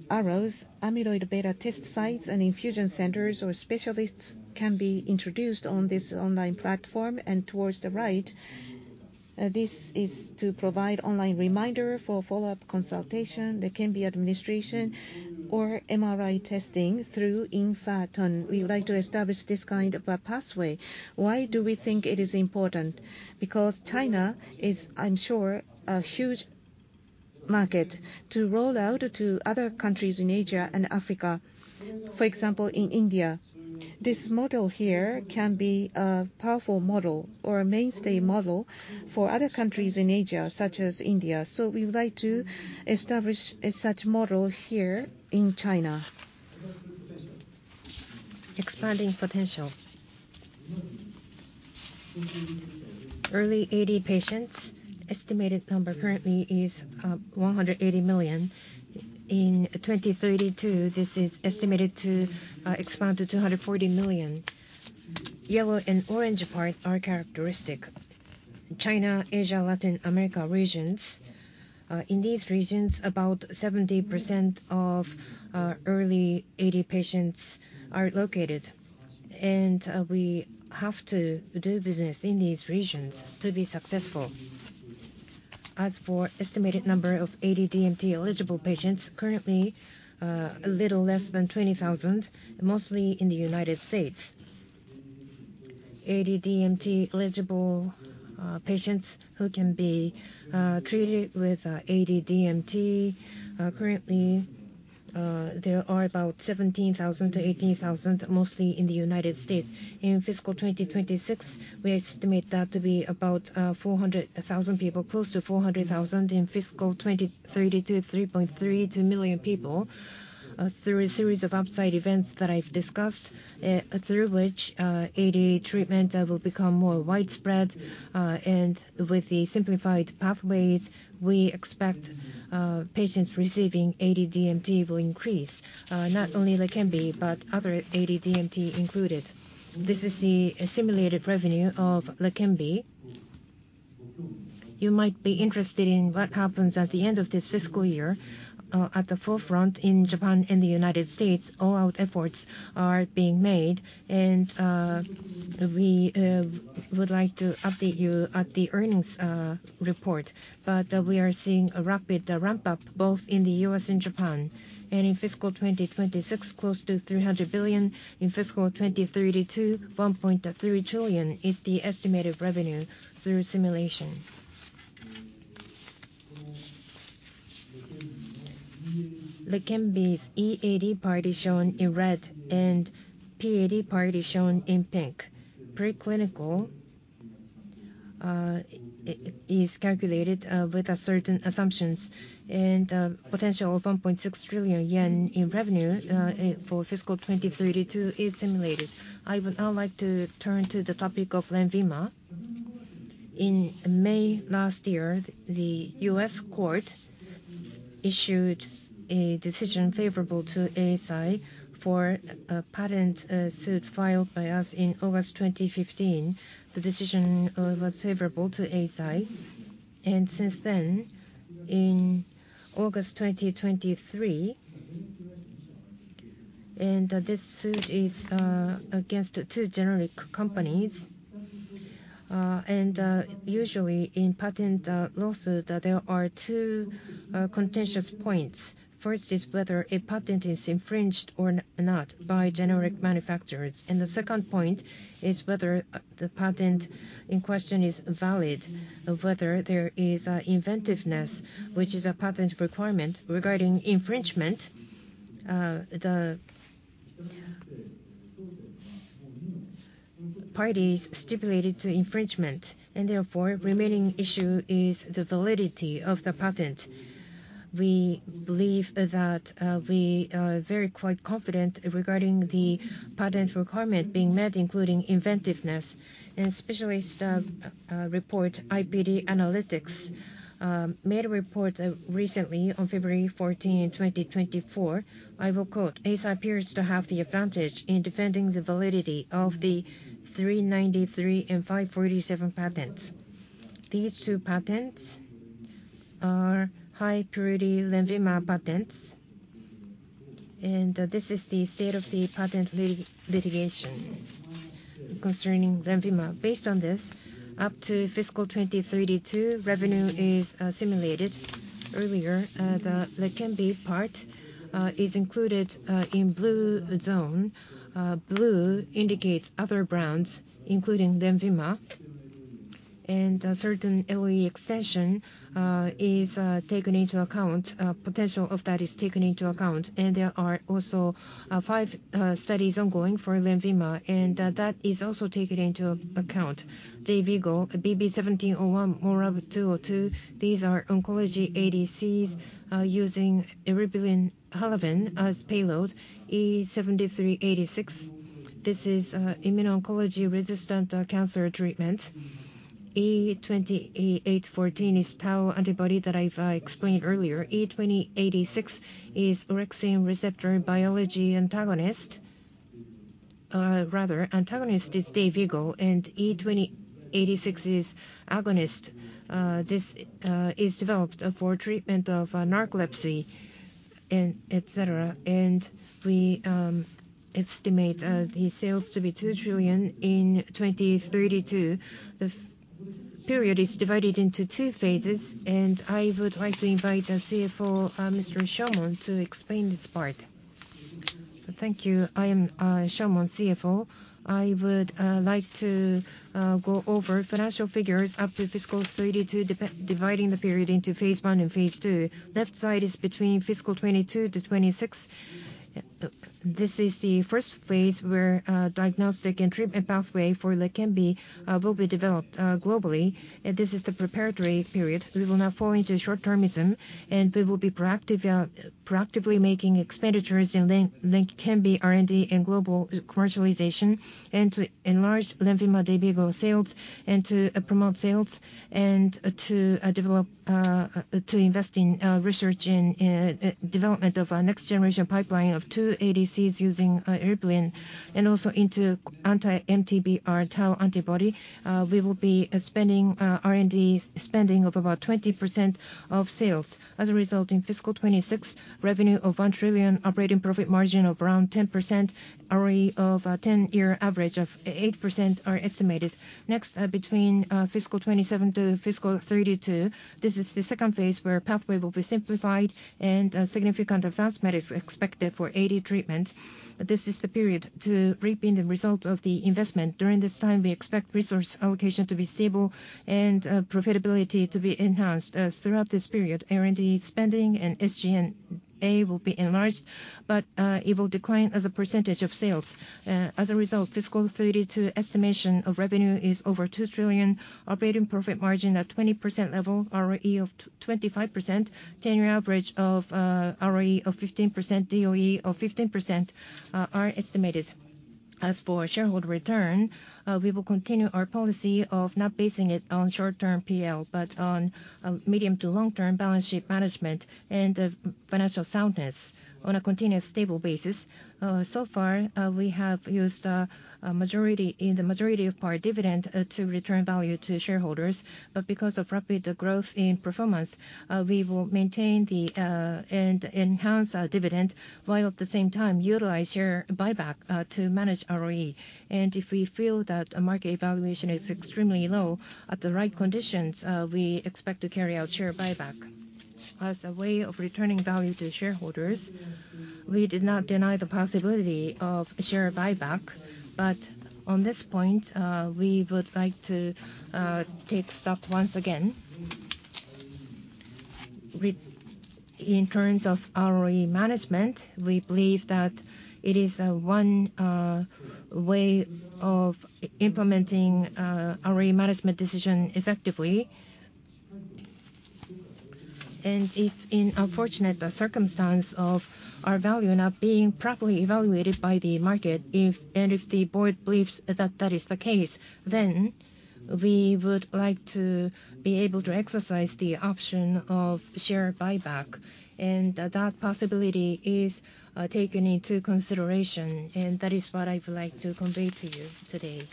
arrows, amyloid beta test sites and infusion centers or specialists can be introduced on this online platform. Towards the right, this is to provide online reminder for follow-up consultation. There can be administration or MRI testing through Yin Fa Tong. We would like to establish this kind of a pathway. Why do we think it is important? Because China is, I'm sure, a huge market to roll out to other countries in Asia and Africa. For example, in India. This model here can be a powerful model or a mainstay model for other countries in Asia, such as India. We would like to establish such a model here in China. Expanding potential. Early AD patients, estimated number currently is 180 million. In 2032, this is estimated to expand to 240 million. Yellow and orange part are characteristic. China, Asia, Latin America regions, in these regions, about 70% of early AD patients are located, and we have to do business in these regions to be successful. As for estimated number of AD-DMT eligible patients, currently, a little less than 20,000, mostly in the United States. AD-DMT eligible patients who can be treated with AD-DMT, currently, there are about 17,000-18,000, mostly in the United States. In fiscal 2026, we estimate that to be about 400,000 people, close to 400,000. In fiscal 2032, 3.32 million people. Through a series of upside events that I've discussed, through which AD treatment will become more widespread. And with the simplified pathways, we expect patients receiving AD-DMT will increase. Not only Leqembi, but other AD-DMT included. This is the simulated revenue of Leqembi. You might be interested in what happens at the end of this fiscal year. At the forefront in Japan and the United States, all-out efforts are being made, and we would like to update you at the earnings report. But we are seeing a rapid ramp-up, both in the US and Japan. In fiscal 2026, close to 300 billion. In fiscal 2032, 1.3 trillion is the estimated revenue through simulation. Leqembi's EAD part shown in red and PAD part shown in pink. Pre-clinical-... it is calculated with certain assumptions and potential of 1.6 trillion yen in revenue for fiscal 2032 is simulated. I would now like to turn to the topic of Lenvima. In May last year, the U.S. court issued a decision favorable to Eisai for a patent suit filed by us in August 2015. The decision was favorable to Eisai, and since then, in August 2023, and this suit is against two generic companies. And usually in patent lawsuit, there are two contentious points. First is whether a patent is infringed or not by generic manufacturers, and the second point is whether the patent in question is valid, or whether there is inventiveness, which is a patent requirement regarding infringement. The parties stipulated to infringement, and therefore, remaining issue is the validity of the patent. We believe that we are very quite confident regarding the patent requirement being met, including inventiveness and specificity. IPD Analytics made a report recently on February 14, 2024. I will quote, "Eisai appears to have the advantage in defending the validity of the 393 and 547 patents." These two patents are high-purity LENVIMA patents, and this is the state of the patent litigation concerning LENVIMA. Based on this, up to fiscal 2032, revenue is simulated. Earlier, the Leqembi part is included in blue zone. Blue indicates other brands, including LENVIMA, and a certain LE extension is taken into account. Potential of that is taken into account, and there are also five studies ongoing for Lenvima, and that is also taken into account. Dayvigo, BB-1701, MORAb-202, these are oncology ADCs using eribulin Halaven as payload. E7386, this is immuno-oncology resistant cancer treatment. E2814 is tau antibody that I've explained earlier. E2086 is orexin receptor biology antagonist. Rather, antagonist is Dayvigo, and E2086 is agonist. This is developed for treatment of narcolepsy and etc., and we estimate the sales to be 2 trillion in 2032. The period is divided into two phases, and I would like to invite the CFO, Mr. Shomon, to explain this part. Thank you. I am Shomon, CFO. I would like to go over financial figures up to fiscal 2032, dividing the period into phase one and phase two. Left side is between fiscal 2022 to 2026. This is the first phase where diagnostic and treatment pathway for Leqembi will be developed globally, and this is the preparatory period. We will not fall into short-termism, and we will be proactive, proactively making expenditures in Leqembi R&D and global commercialization, and to enlarge Lenvima Dayvigo sales, and to promote sales, and to develop, to invest in research and development of a next-generation pipeline of two ADCs using eribulin, and also into anti-MTBR tau antibody. We will be spending R&D spending of about 20% of sales. As a result, in fiscal 2026, revenue of 1 trillion, operating profit margin of around 10%, ROE 10-year average of 8% are estimated. Next, between fiscal 2027 to fiscal 2032, this is the second phase where pathway will be simplified and significant advancement is expected for AD treatment. This is the period to reap in the result of the investment. During this time, we expect resource allocation to be stable and profitability to be enhanced. Throughout this period, R&D spending and SG&A will be enlarged, but it will decline as a percentage of sales. As a result, fiscal 2032 estimation of revenue is over 2 trillion, operating profit margin at 20% level, ROE of 25%, 10-year average of ROE of 15%, DOE of 15%, are estimated. As for shareholder return, we will continue our policy of not basing it on short-term PL, but on medium to long-term balance sheet management and financial soundness on a continuous stable basis. So far, we have used a majority, in the majority of our dividend, to return value to shareholders, but because of rapid growth in performance, we will maintain the and enhance our dividend, while at the same time utilize share buyback to manage ROE. If we feel that a market evaluation is extremely low, at the right conditions, we expect to carry out share buyback. As a way of returning value to shareholders, we did not deny the possibility of share buyback, but on this point, we would like to take stock once again. In terms of ROE management, we believe that it is one way of implementing our management decision effectively. And in the unfortunate circumstance of our value not being properly evaluated by the market, if the board believes that that is the case, then we would like to be able to exercise the option of share buyback. And that possibility is taken into consideration, and that is what I'd like to convey to you today.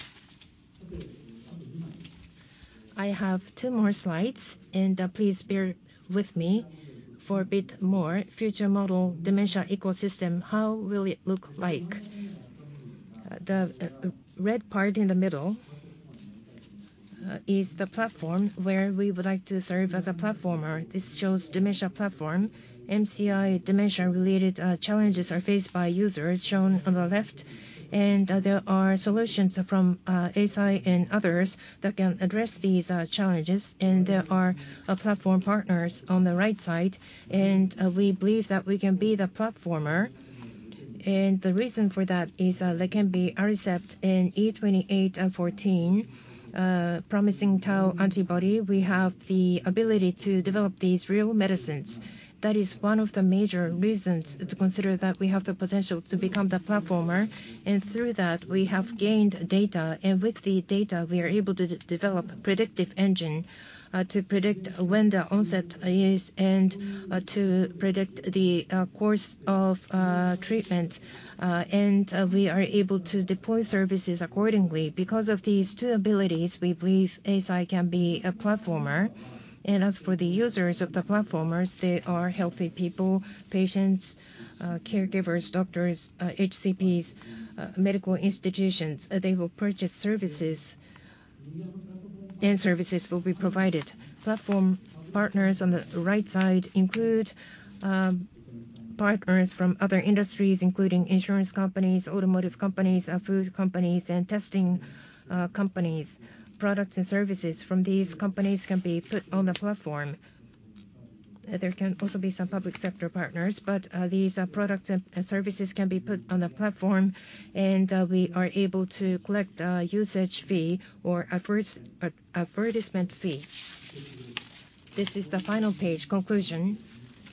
I have two more slides, and please bear with me for a bit more. Future model dementia ecosystem, how will it look like? The red part in the middle is the platform where we would like to serve as a platformer. This shows dementia platform. MCI dementia-related challenges are faced by users, shown on the left. There are solutions from Eisai and others that can address these challenges. There are platform partners on the right side, and we believe that we can be the platformer. The reason for that is there can be Aricept and E2814, promising tau antibody. We have the ability to develop these real medicines. That is one of the major reasons to consider that we have the potential to become the platformer, and through that, we have gained data. With the data, we are able to develop predictive engine to predict when the onset is and to predict the course of treatment. We are able to deploy services accordingly. Because of these two abilities, we believe Eisai can be a platformer. As for the users of the platforms, they are healthy people, patients, caregivers, doctors, HCPs, medical institutions. They will purchase services, and services will be provided. Platform partners on the right side include, partners from other industries, including insurance companies, automotive companies, food companies, and testing companies. Products and services from these companies can be put on the platform. There can also be some public sector partners, but, these products and services can be put on the platform, and, we are able to collect, usage fee or advertisement fee. This is the final page, conclusion.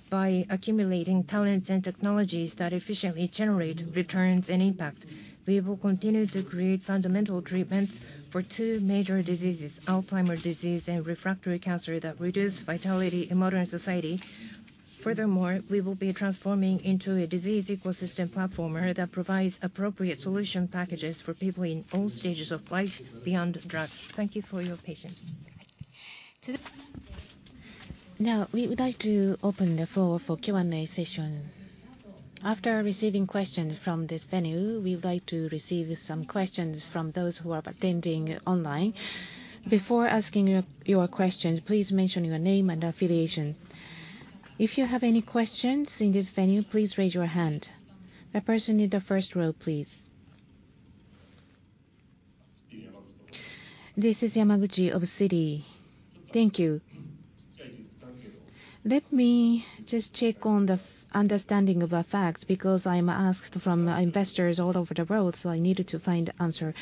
By accumulating talents and technologies that efficiently generate returns and impact, we will continue to create fundamental treatments for two major diseases, Alzheimer's disease and refractory cancer, that reduce vitality in modern society. Furthermore, we will be transforming into a disease ecosystem platformer that provides appropriate solution packages for people in all stages of life beyond drugs. Thank you for your patience. Now, we would like to open the floor for Q&A session. After receiving questions from this venue, we would like to receive some questions from those who are attending online. Before asking your questions, please mention your name and affiliation. If you have any questions in this venue, please raise your hand. The person in the first row, please. This is Yamaguchi of Citi. Thank you. Let me just check on the understanding of the facts, because I'm asked from investors all over the world, so I needed to find the answer.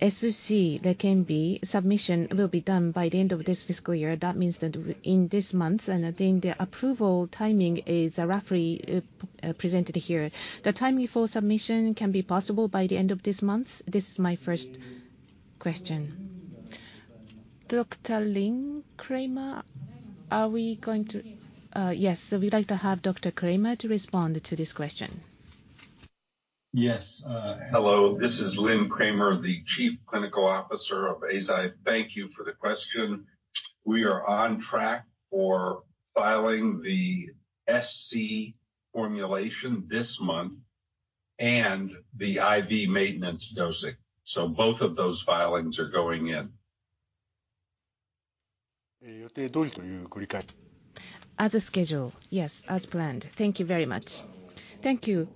SC, there can be submission will be done by the end of this fiscal year. That means that in this month, and I think the approval timing is roughly presented here. The timing for submission can be possible by the end of this month? This is my first question. Dr. Lynn Kramer, are we going to...? Yes, so we'd like to have Dr. Kramer to respond to this question. Yes. Hello, this is Lynn Kramer, the Chief Clinical Officer of Eisai. Thank you for the question. We are on track for filing the SC formulation this month and the IV maintenance dosing. So both of those filings are going in. As scheduled. Yes, as planned. Thank you very much. Thank you.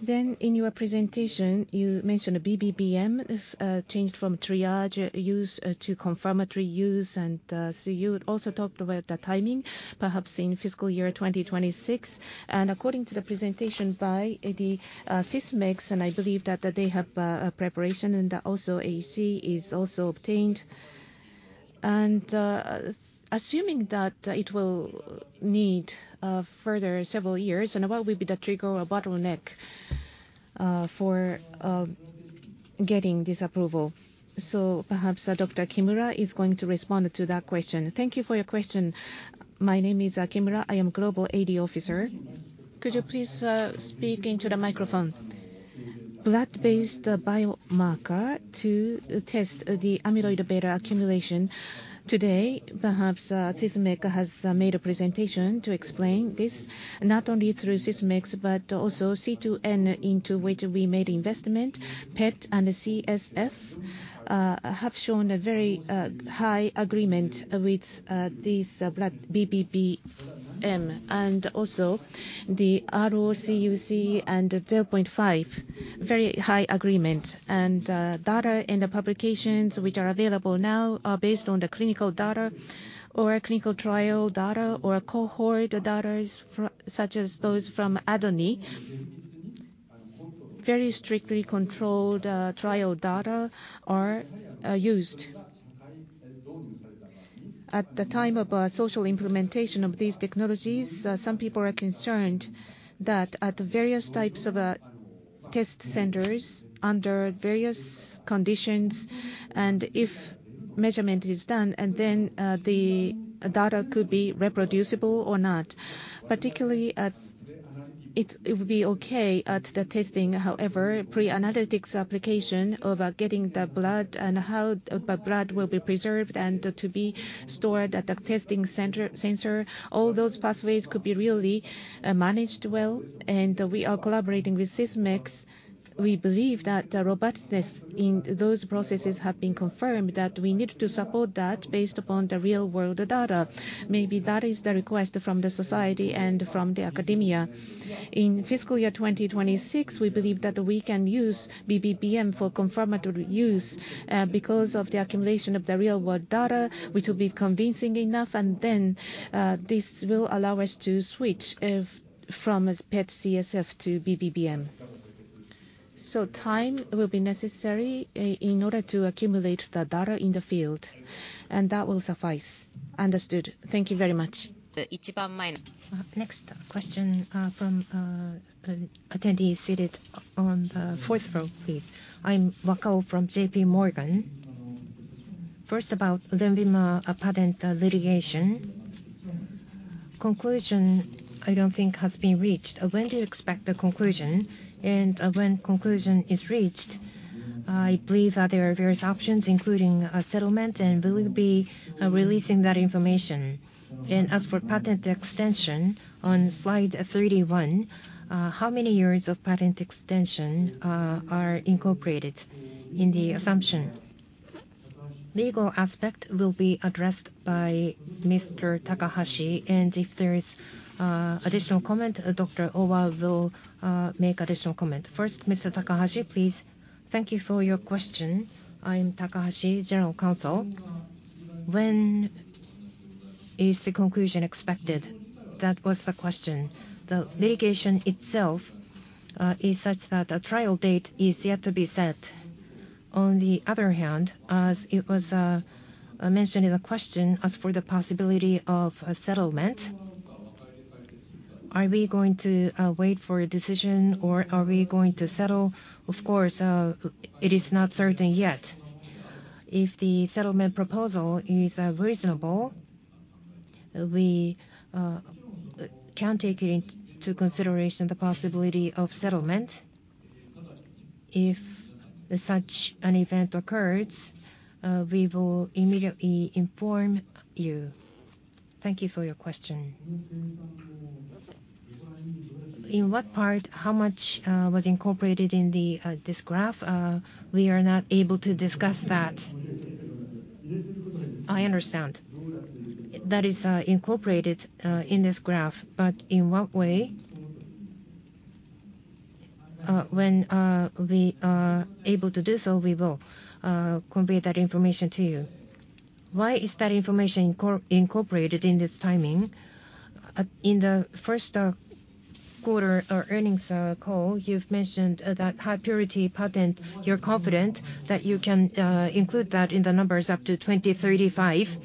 Then in your presentation, you mentioned a BBBM, changed from triage use to confirmatory use. And so you also talked about the timing, perhaps in fiscal year 2026. And according to the presentation by AD, Sysmex, and I believe that they have a preparation, and that also AC is also obtained. And assuming that it will need further several years, and what will be the trigger or bottleneck for getting this approval? So perhaps Dr. Kimura is going to respond to that question. Thank you for your question. My name is, Kimura. I am Global AD Officer. Could you please speak into the microphone? Blood-based biomarker to test the amyloid beta accumulation. Today, perhaps, Sysmex has made a presentation to explain this, not only through Sysmex, but also C2N, into which we made investment. PET and CSF have shown a very high agreement with these blood BBBM, and also the ROC AUC of 0.95, very high agreement. Data in the publications, which are available now, are based on the clinical data or clinical trial data or cohort data such as those from ADNI.... very strictly controlled trial data are used. At the time of social implementation of these technologies, some people are concerned that at the various types of test centers under various conditions, and if measurement is done, and then the data could be reproducible or not. Particularly, it would be okay at the testing; however, pre-analytics application of getting the blood and how the blood will be preserved and to be stored at the testing center sensor. All those pathways could be really managed well, and we are collaborating with Sysmex. We believe that the robustness in those processes have been confirmed, that we need to support that based upon the real world data. Maybe that is the request from the society and from the academia. In fiscal year 2026, we believe that we can use BBBM for confirmatory use, because of the accumulation of the real world data, which will be convincing enough. And then, this will allow us to switch it from PET CSF to BBBM. So time will be necessary in order to accumulate the data in the field, and that will suffice. Understood. Thank you very much. Next question from attendee seated on the fourth row, please. I'm Wakao from JPMorgan. First, about Lenvima, patent litigation. Conclusion, I don't think has been reached. When do you expect the conclusion? And, when conclusion is reached, I believe that there are various options, including a settlement, and will you be releasing that information? And as for patent extension, on slide 31, how many years of patent extension are incorporated in the assumption? Legal aspect will be addressed by Mr. Takahashi, and if there is additional comment, Dr. Owa will make additional comment. First, Mr. Takahashi, please. Thank you for your question. I am Takahashi, General Counsel. When is the conclusion expected? That was the question. The litigation itself is such that a trial date is yet to be set. On the other hand, as it was mentioned in the question, as for the possibility of a settlement, are we going to wait for a decision or are we going to settle? Of course, it is not certain yet. If the settlement proposal is reasonable, we can take it into consideration the possibility of settlement. If such an event occurs, we will immediately inform you. Thank you for your question. In what part, how much was incorporated in the this graph? We are not able to discuss that. I understand. That is incorporated in this graph, but in what way? When we are able to do so, we will convey that information to you. Why is that information incorporated in this timing? In the first quarter earnings call, you've mentioned that high purity patent, you're confident that you can include that in the numbers up to 2035.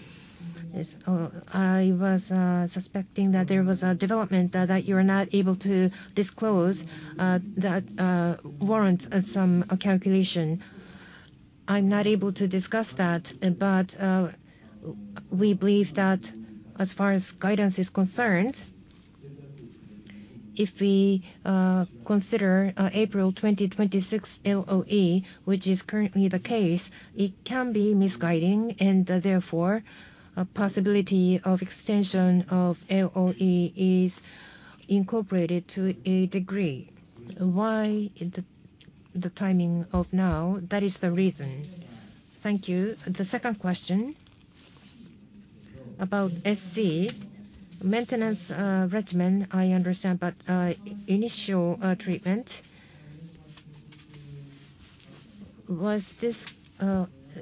I was suspecting that there was a development that you are not able to disclose that warrants some calculation. I'm not able to discuss that. But we believe that as far as guidance is concerned, if we consider April 2026 LOE, which is currently the case, it can be misguiding, and therefore, a possibility of extension of LOE is incorporated to a degree. Why the timing of now? That is the reason. Thank you. The second question, about SC. Maintenance regimen, I understand, but initial treatment, was this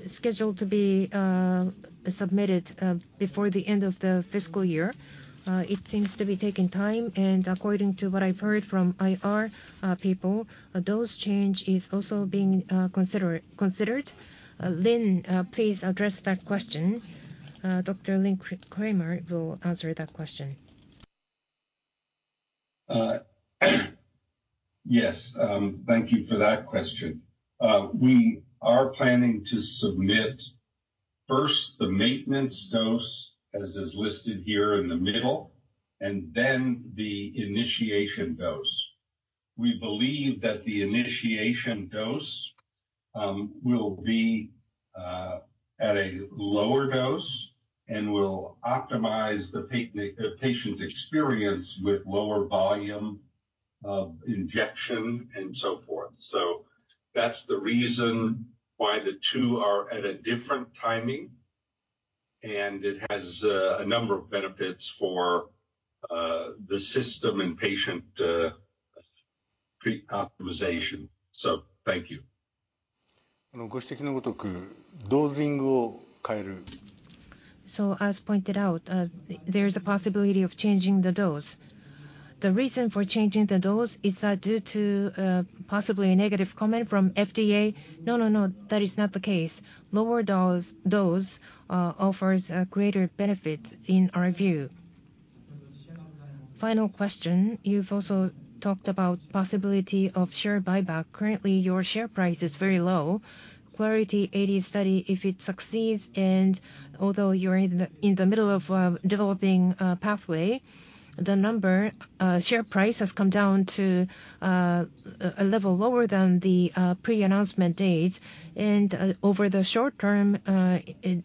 scheduled to be submitted before the end of the fiscal year? It seems to be taking time, and according to what I've heard from IR people, those changes are also being considered. Lynn, please address that question. Dr. Lynn Kramer will answer that question. Yes, thank you for that question. We are planning to submit first the maintenance dose, as is listed here in the middle, and then the initiation dose. We believe that the initiation dose will be at a lower dose and will optimize the patient experience with lower volume of injection and so forth. So that's the reason why the two are at a different timing, and it has a number of benefits for the system and patient pre-optimization. So thank you.... So as pointed out, there is a possibility of changing the dose. The reason for changing the dose is that due to possibly a negative comment from FDA? No, no, no, that is not the case. Lower dose offers a greater benefit in our view. Final question, you've also talked about possibility of share buyback. Currently, your share price is very low. Clarity AD study, if it succeeds, and although you're in the middle of developing a pathway, the number, share price has come down to a level lower than the pre-announcement days. And over the short term,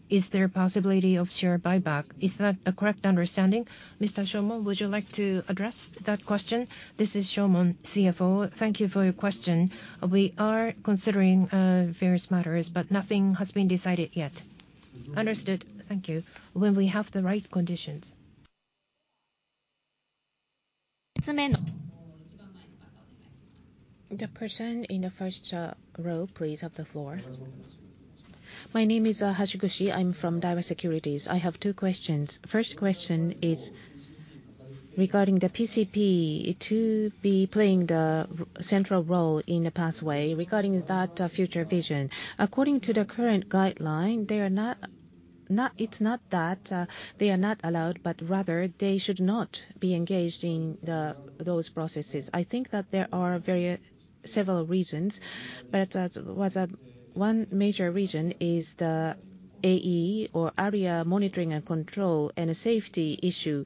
is there a possibility of share buyback? Is that a correct understanding? Mr. Shomon, would you like to address that question? This is Shomon, CFO. Thank you for your question. We are considering various matters, but nothing has been decided yet. Understood. Thank you. When we have the right conditions. The person in the first row, please have the floor. My name is Hashiguchi. I'm from Daiwa Securities. I have two questions. First question is regarding the PCP to be playing the central role in the pathway. Regarding that future vision, according to the current guideline, they are not, not... It's not that they are not allowed, but rather they should not be engaged in those processes. I think that there are very several reasons, but was one major reason is the AE or ARIA monitoring and control, and a safety issue.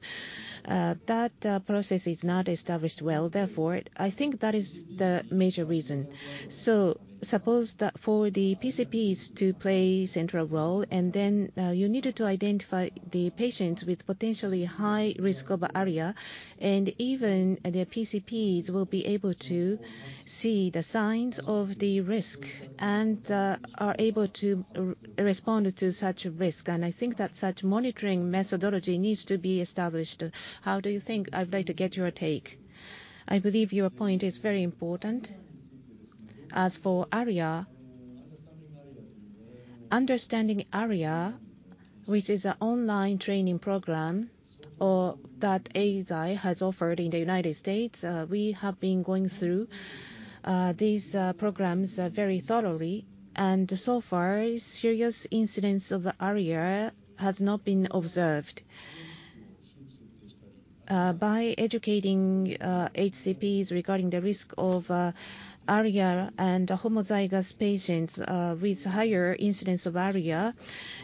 That process is not established well, therefore, I think that is the major reason. So suppose that for the PCPs to play central role, and then, you needed to identify the patients with potentially high risk of ARIA, and even the PCPs will be able to see the signs of the risk and, are able to respond to such risk. And I think that such monitoring methodology needs to be established. How do you think? I'd like to get your take. I believe your point is very important. As for ARIA, understanding ARIA, which is an online training program, or that Eisai has offered in the United States, we have been going through, these, programs, very thoroughly. And so far, serious incidents of ARIA has not been observed. By educating, HCPs regarding the risk of, ARIA and homozygous patients, with higher incidents of ARIA,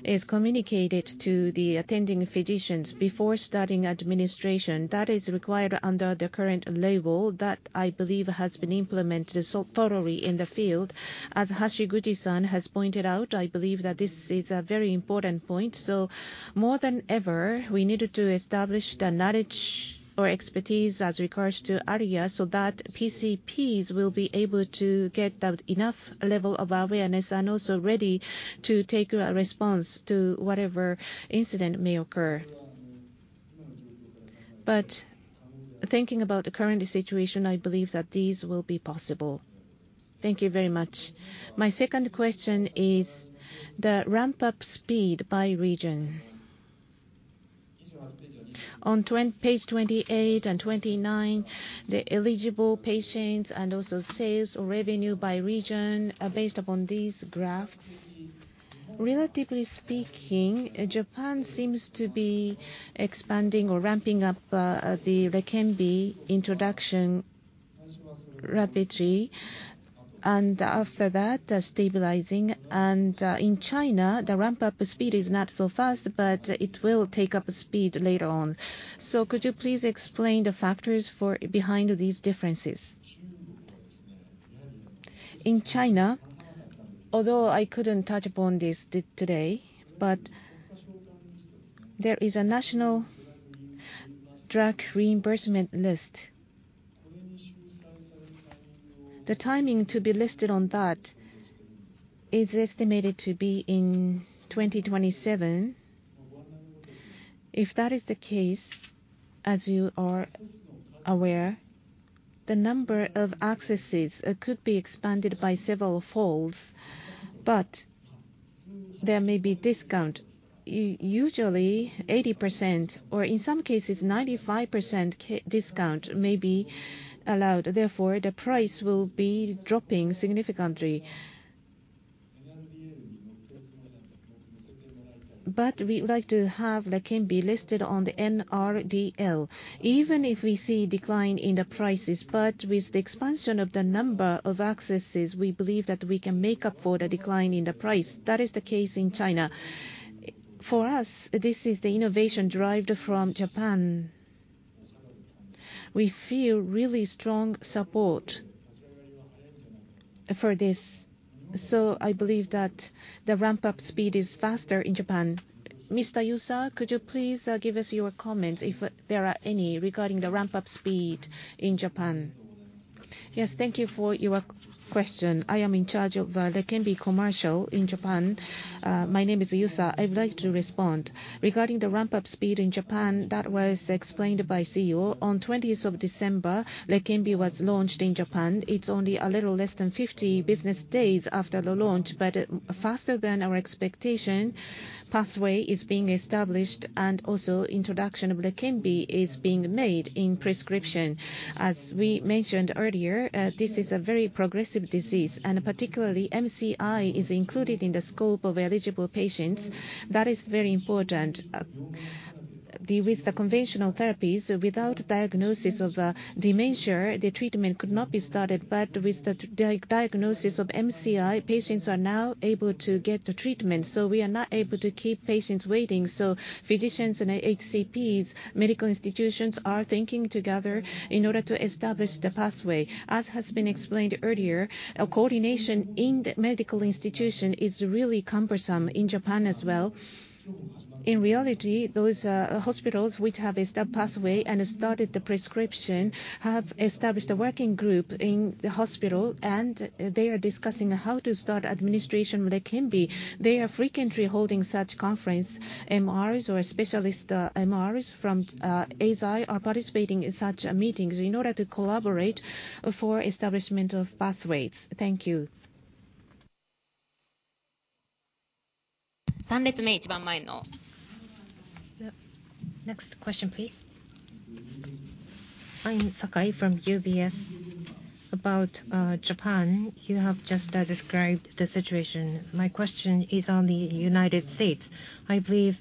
is communicated to the attending physicians before starting administration. That is required under the current label that I believe has been implemented so thoroughly in the field. As Hashiguchi-san has pointed out, I believe that this is a very important point. So more than ever, we needed to establish the knowledge or expertise as regards to ARIA, so that PCPs will be able to get the enough level of awareness, and also ready to take a response to whatever incident may occur. But thinking about the current situation, I believe that these will be possible. Thank you very much. My second question is the ramp-up speed by region. On page 28 and 29, the eligible patients and also sales or revenue by region, based upon these graphs, relatively speaking, Japan seems to be expanding or ramping up the Leqembi introduction rapidly, and after that, stabilizing. In China, the ramp-up speed is not so fast, but it will pick up speed later on. Could you please explain the factors behind these differences? In China, although I couldn't touch upon this today, but there is a national drug reimbursement list. The timing to be listed on that is estimated to be in 2027. If that is the case, as you are aware, the number of accesses could be expanded by several folds, but there may be discount usually 80% or in some cases 95% discount may be allowed, therefore, the price will be dropping significantly. But we would like to have Leqembi listed on the NRDL, even if we see decline in the prices. But with the expansion of the number of accesses, we believe that we can make up for the decline in the price. That is the case in China. For us, this is the innovation derived from Japan. We feel really strong support for this, so I believe that the ramp-up speed is faster in Japan. Mr. Yusa, could you please give us your comments, if there are any, regarding the ramp-up speed in Japan? Yes, thank you for your question. I am in charge of Leqembi commercial in Japan. My name is Yusa. I'd like to respond. Regarding the ramp-up speed in Japan, that was explained by CEO. On 20th of December, Leqembi was launched in Japan. It's only a little less than 50 business days after the launch, but faster than our expectation, pathway is being established and also introduction of Leqembi is being made in prescription. As we mentioned earlier, this is a very progressive disease, and particularly MCI is included in the scope of eligible patients. That is very important. With the conventional therapies, without diagnosis of dementia, the treatment could not be started, but with the diagnosis of MCI, patients are now able to get the treatment. So we are not able to keep patients waiting, so physicians and HCPs, medical institutions are thinking together in order to establish the pathway. As has been explained earlier, a coordination in the medical institution is really cumbersome in Japan as well. In reality, those hospitals which have established pathway and started the prescription, have established a working group in the hospital, and they are discussing how to start administration Leqembi. They are frequently holding such conference. MRs or specialist, MRs from Eisai are participating in such meetings in order to collaborate for establishment of pathways. Thank you. Next question, please. I'm Atsushi Sakurai from UBS. About, Japan, you have just, described the situation. My question is on the United States. I believe,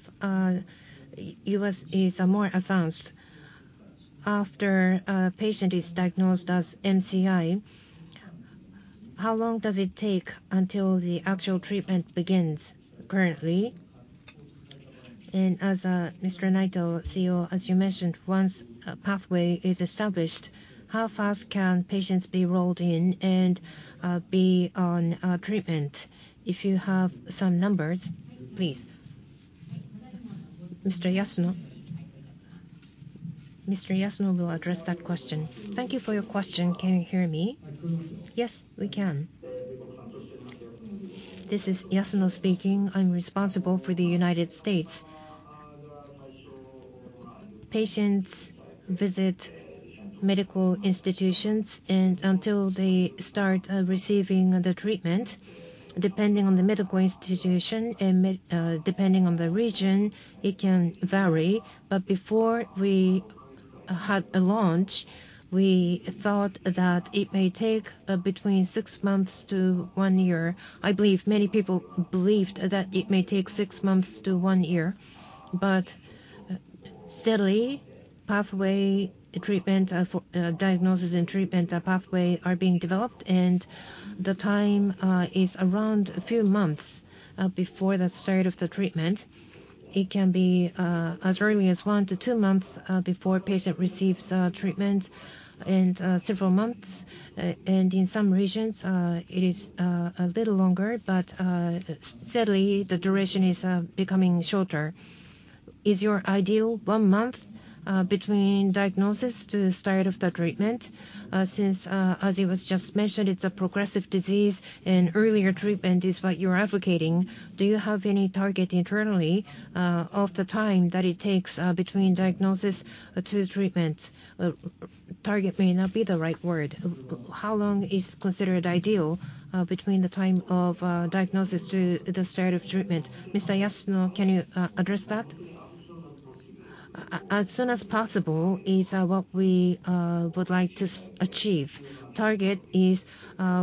U.S. is more advanced. After a patient is diagnosed as MCI, how long does it take until the actual treatment begins currently? And as, Mr. Naito, CEO, as you mentioned, once a pathway is established, how fast can patients be rolled in and, be on, treatment? If you have some numbers, please. Mr. Yasuno? Mr. Yasuno will address that question. Thank you for your question. Can you hear me? Yes, we can. This is Yasuno speaking. I'm responsible for the United States. Patients visit medical institutions, and until they start receiving the treatment, depending on the medical institution and depending on the region, it can vary. But before we had a launch, we thought that it may take between 6 months-1 year. I believe many people believed that it may take 6 months-1 year, but steadily, pathway treatment for diagnosis and treatment pathway are being developed, and the time is around a few months before the start of the treatment. It can be as early as one to two months before a patient receives treatment, and several months, and in some regions it is a little longer, but steadily the duration is becoming shorter. Is your ideal one month between diagnosis to the start of the treatment? Since as it was just mentioned, it's a progressive disease and earlier treatment is what you're advocating, do you have any target internally of the time that it takes between diagnosis to the treatment? Target may not be the right word. How long is considered ideal between the time of diagnosis to the start of treatment? Mr. Yasuno, can you address that? As soon as possible is what we would like to achieve. Target is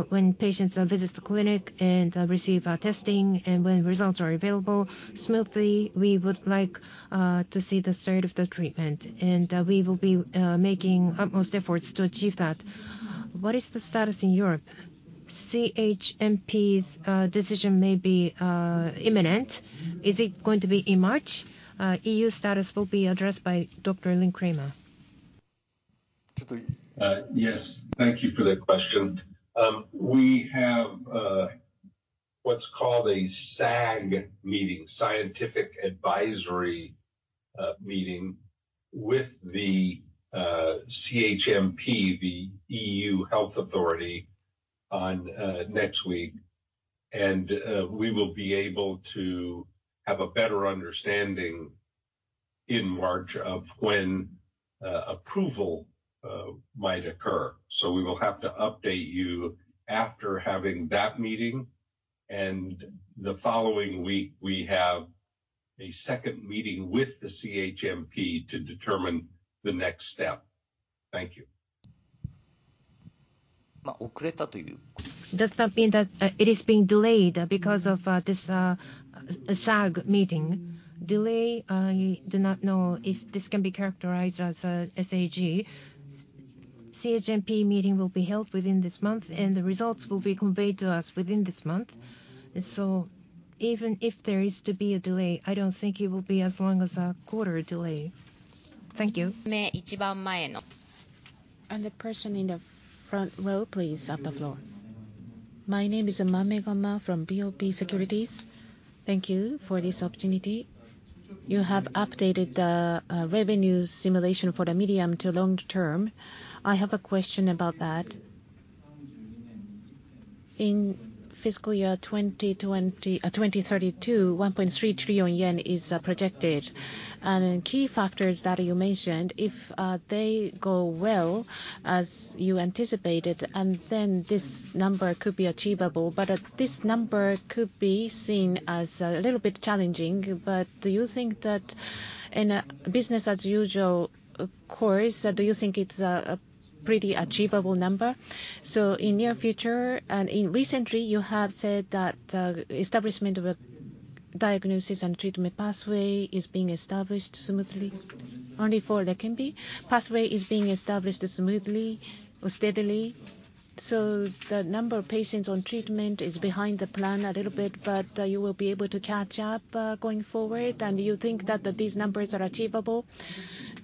when patients visit the clinic and receive testing and when results are available, smoothly, we would like to see the start of the treatment, and we will be making utmost efforts to achieve that. What is the status in Europe? CHMP's decision may be imminent. Is it going to be in March? EU status will be addressed by Dr. Lynn Kramer. Please. Yes, thank you for that question. We have what's called a SAG meeting, Scientific Advisory Meeting, with the CHMP, the EU Health Authority, next week. And we will be able to have a better understanding in March of when approval might occur. So we will have to update you after having that meeting, and the following week, we have a second meeting with the CHMP to determine the next step. Thank you. Does that mean that, it is being delayed because of, this, SAG meeting? Delay, I do not know if this can be characterized as a SAG. CHMP meeting will be held within this month, and the results will be conveyed to us within this month. So even if there is to be a delay, I don't think it will be as long as a quarter delay. Thank you. The person in the front row, please, on the floor. ... My name is, Mame Goma from BOP Securities. Thank you for this opportunity. You have updated the, revenue simulation for the medium to long term. I have a question about that. In fiscal year 2020, 2032, 1.3 trillion yen is projected, and key factors that you mentioned, if, they go well, as you anticipated, and then this number could be achievable. But, this number could be seen as, a little bit challenging, but do you think that in a business as usual, of course, do you think it's a, a pretty achievable number? So in near future, and in recently, you have said that, establishment of a diagnosis and treatment pathway is being established smoothly. Only for Leqembi? Pathway is being established smoothly or steadily, so the number of patients on treatment is behind the plan a little bit, but, you will be able to catch up, going forward, and you think that, that these numbers are achievable?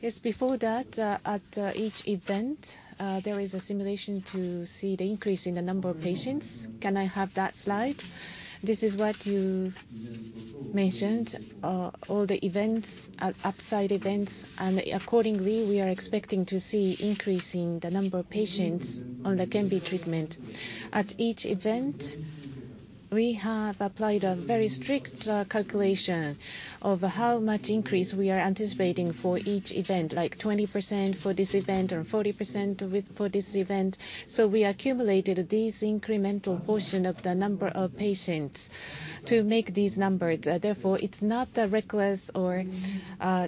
Yes, before that, at each event, there is a simulation to see the increase in the number of patients. Can I have that slide? This is what you mentioned. All the events are upside events, and accordingly, we are expecting to see increase in the number of patients on Leqembi treatment. At each event, we have applied a very strict calculation of how much increase we are anticipating for each event, like 20% for this event or 40% for this event. So we accumulated this incremental portion of the number of patients to make these numbers. Therefore, it's not a reckless or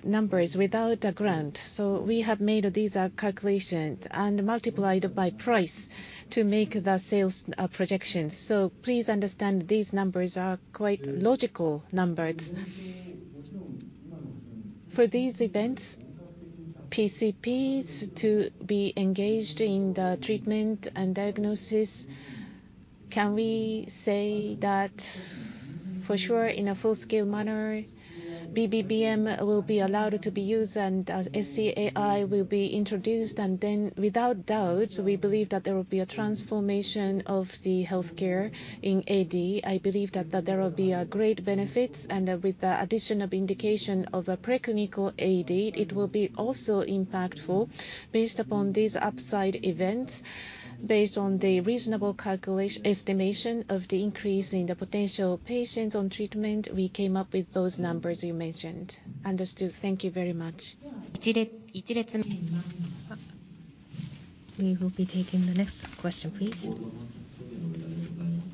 numbers without a grant. So we have made these calculations and multiplied by price to make the sales projections. So please understand these numbers are quite logical numbers. For these events, PCPs to be engaged in the treatment and diagnosis, can we say that for sure, in a full-scale manner, BBBM will be allowed to be used and SCAI will be introduced? And then without doubt, we believe that there will be a transformation of the healthcare in AD. I believe that, that there will be great benefits, and with the additional indication of a preclinical AD, it will be also impactful based upon these upside events. Based on the reasonable estimation of the increase in the potential patients on treatment, we came up with those numbers you mentioned. Understood. Thank you very much. We will be taking the next question, please.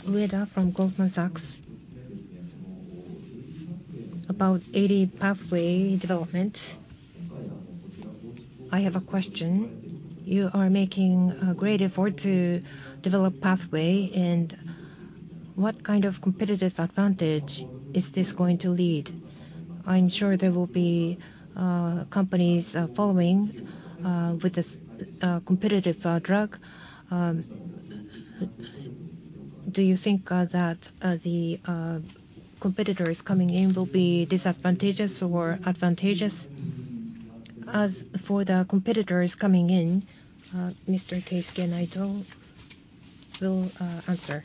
Ueda from Goldman Sachs. About AD pathway development, I have a question. You are making a great effort to develop pathway, and what kind of competitive advantage is this going to lead? I'm sure there will be companies following with this competitive drug. Do you think that the competitors coming in will be disadvantageous or advantageous? As for the competitors coming in, Mr. Keisuke Naito will answer.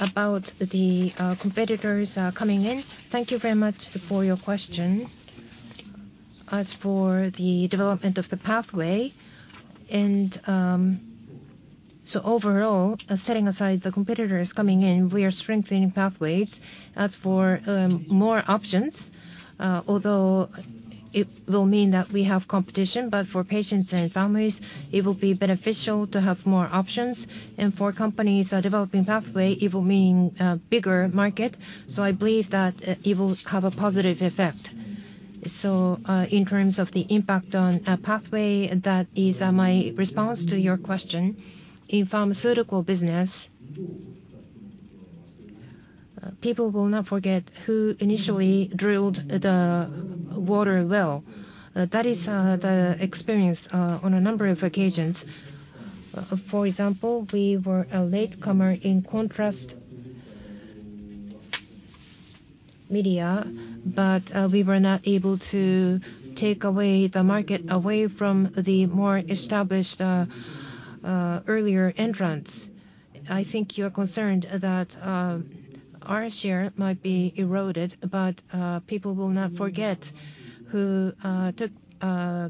About the competitors coming in, thank you very much for your question. As for the development of the pathway. So overall, setting aside the competitors coming in, we are strengthening pathways. As for more options, although it will mean that we have competition, but for patients and families, it will be beneficial to have more options. And for companies developing pathway, it will mean bigger market. So I believe that it will have a positive effect. So in terms of the impact on a pathway, that is my response to your question. In pharmaceutical business, people will not forget who initially drilled the water well. That is the experience on a number of occasions. For example, we were a latecomer in contrast media, but we were not able to take away the market away from the more established earlier entrants. I think you are concerned that our share might be eroded, but people will not forget who took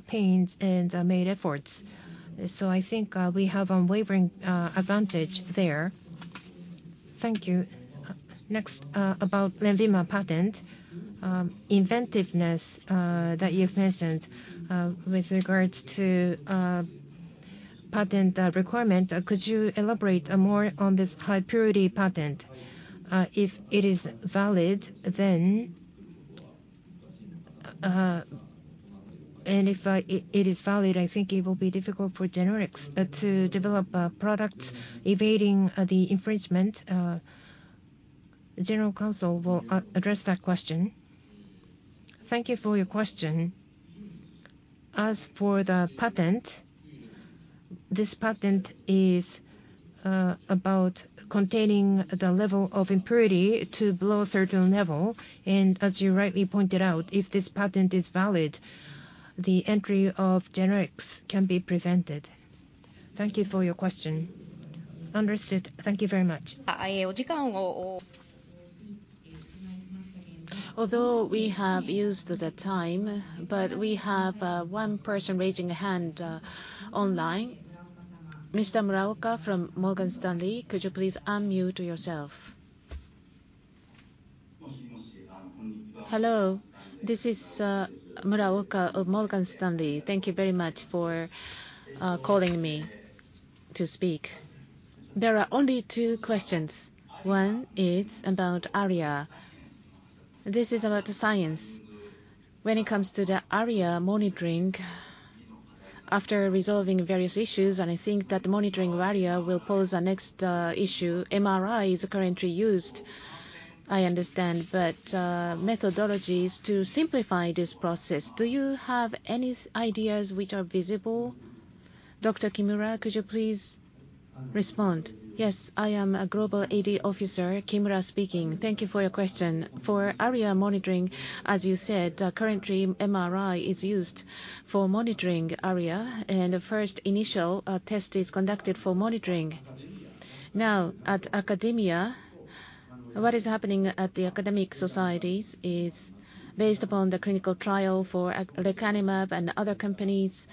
pains and made efforts. So I think we have unwavering advantage there. Thank you. Next, about LENVIMA patent, inventiveness that you've mentioned, with regards to patent requirement, could you elaborate more on this high purity patent? If it is valid, then... And if it is valid, I think it will be difficult for generics to develop products evading the infringement. General Counsel will address that question. Thank you for your question. As for the patent, this patent is about containing the level of impurity to below a certain level, and as you rightly pointed out, if this patent is valid-... the entry of generics can be prevented. Thank you for your question. Understood. Thank you very much. Although we have used the time, but we have one person raising a hand online. Mr. Muraoka from Morgan Stanley, could you please unmute yourself? Hello, this is Muraoka of Morgan Stanley. Thank you very much for calling me to speak. There are only two questions. One is about ARIA. This is about the science. When it comes to the ARIA monitoring, after resolving various issues, and I think that the monitoring ARIA will pose a next issue. MRI is currently used, I understand, but methodologies to simplify this process. Do you have any ideas which are visible? Dr. Kimura, could you please respond? Yes, I am a Global AD Officer, Kimura speaking. Thank you for your question. For ARIA monitoring, as you said, currently MRI is used for monitoring ARIA, and a first initial test is conducted for monitoring. Now, at academia, what is happening at the academic societies is based upon the clinical trial for lecanemab and other companies'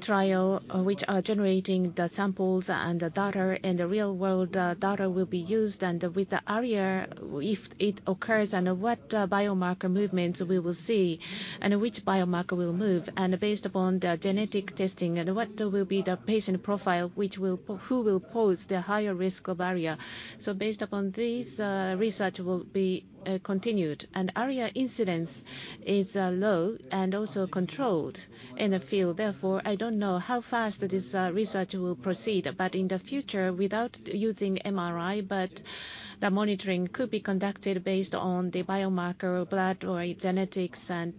trial, which are generating the samples and the data, and the real-world data will be used. And with the ARIA, if it occurs, and what biomarker movements we will see, and which biomarker will move, and based upon the genetic testing, and what will be the patient profile, which will- who will pose the higher risk of ARIA. So based upon this, research will be continued. And ARIA incidence is low and also controlled in the field. Therefore, I don't know how fast this research will proceed. But in the future, without using MRI, but the monitoring could be conducted based on the biomarker or blood or genetics, and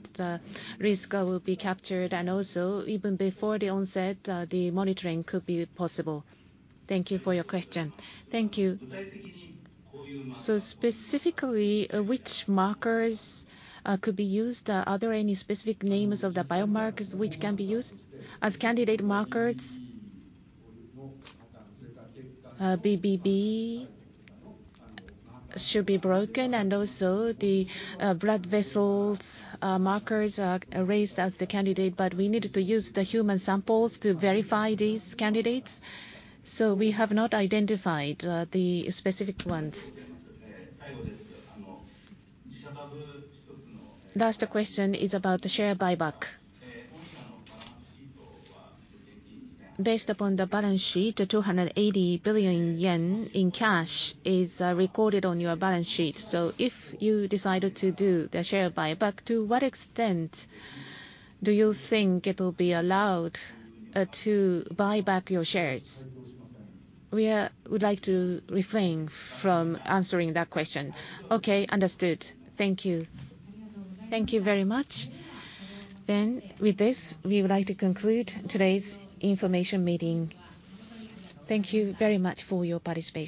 risk will be captured. And also, even before the onset, the monitoring could be possible. Thank you for your question. Thank you. So specifically, which markers could be used? Are there any specific names of the biomarkers which can be used? As candidate markers, BBB should be broken, and also the blood vessels markers are raised as the candidate, but we needed to use the human samples to verify these candidates, so we have not identified the specific ones. Last question is about the share buyback. Based upon the balance sheet, the 280 billion yen in cash is recorded on your balance sheet. So if you decided to do the share buyback, to what extent do you think it'll be allowed to buy back your shares? We would like to refrain from answering that question. Okay, understood. Thank you. Thank you very much. Then with this, we would like to conclude today's information meeting. Thank you very much for your participation.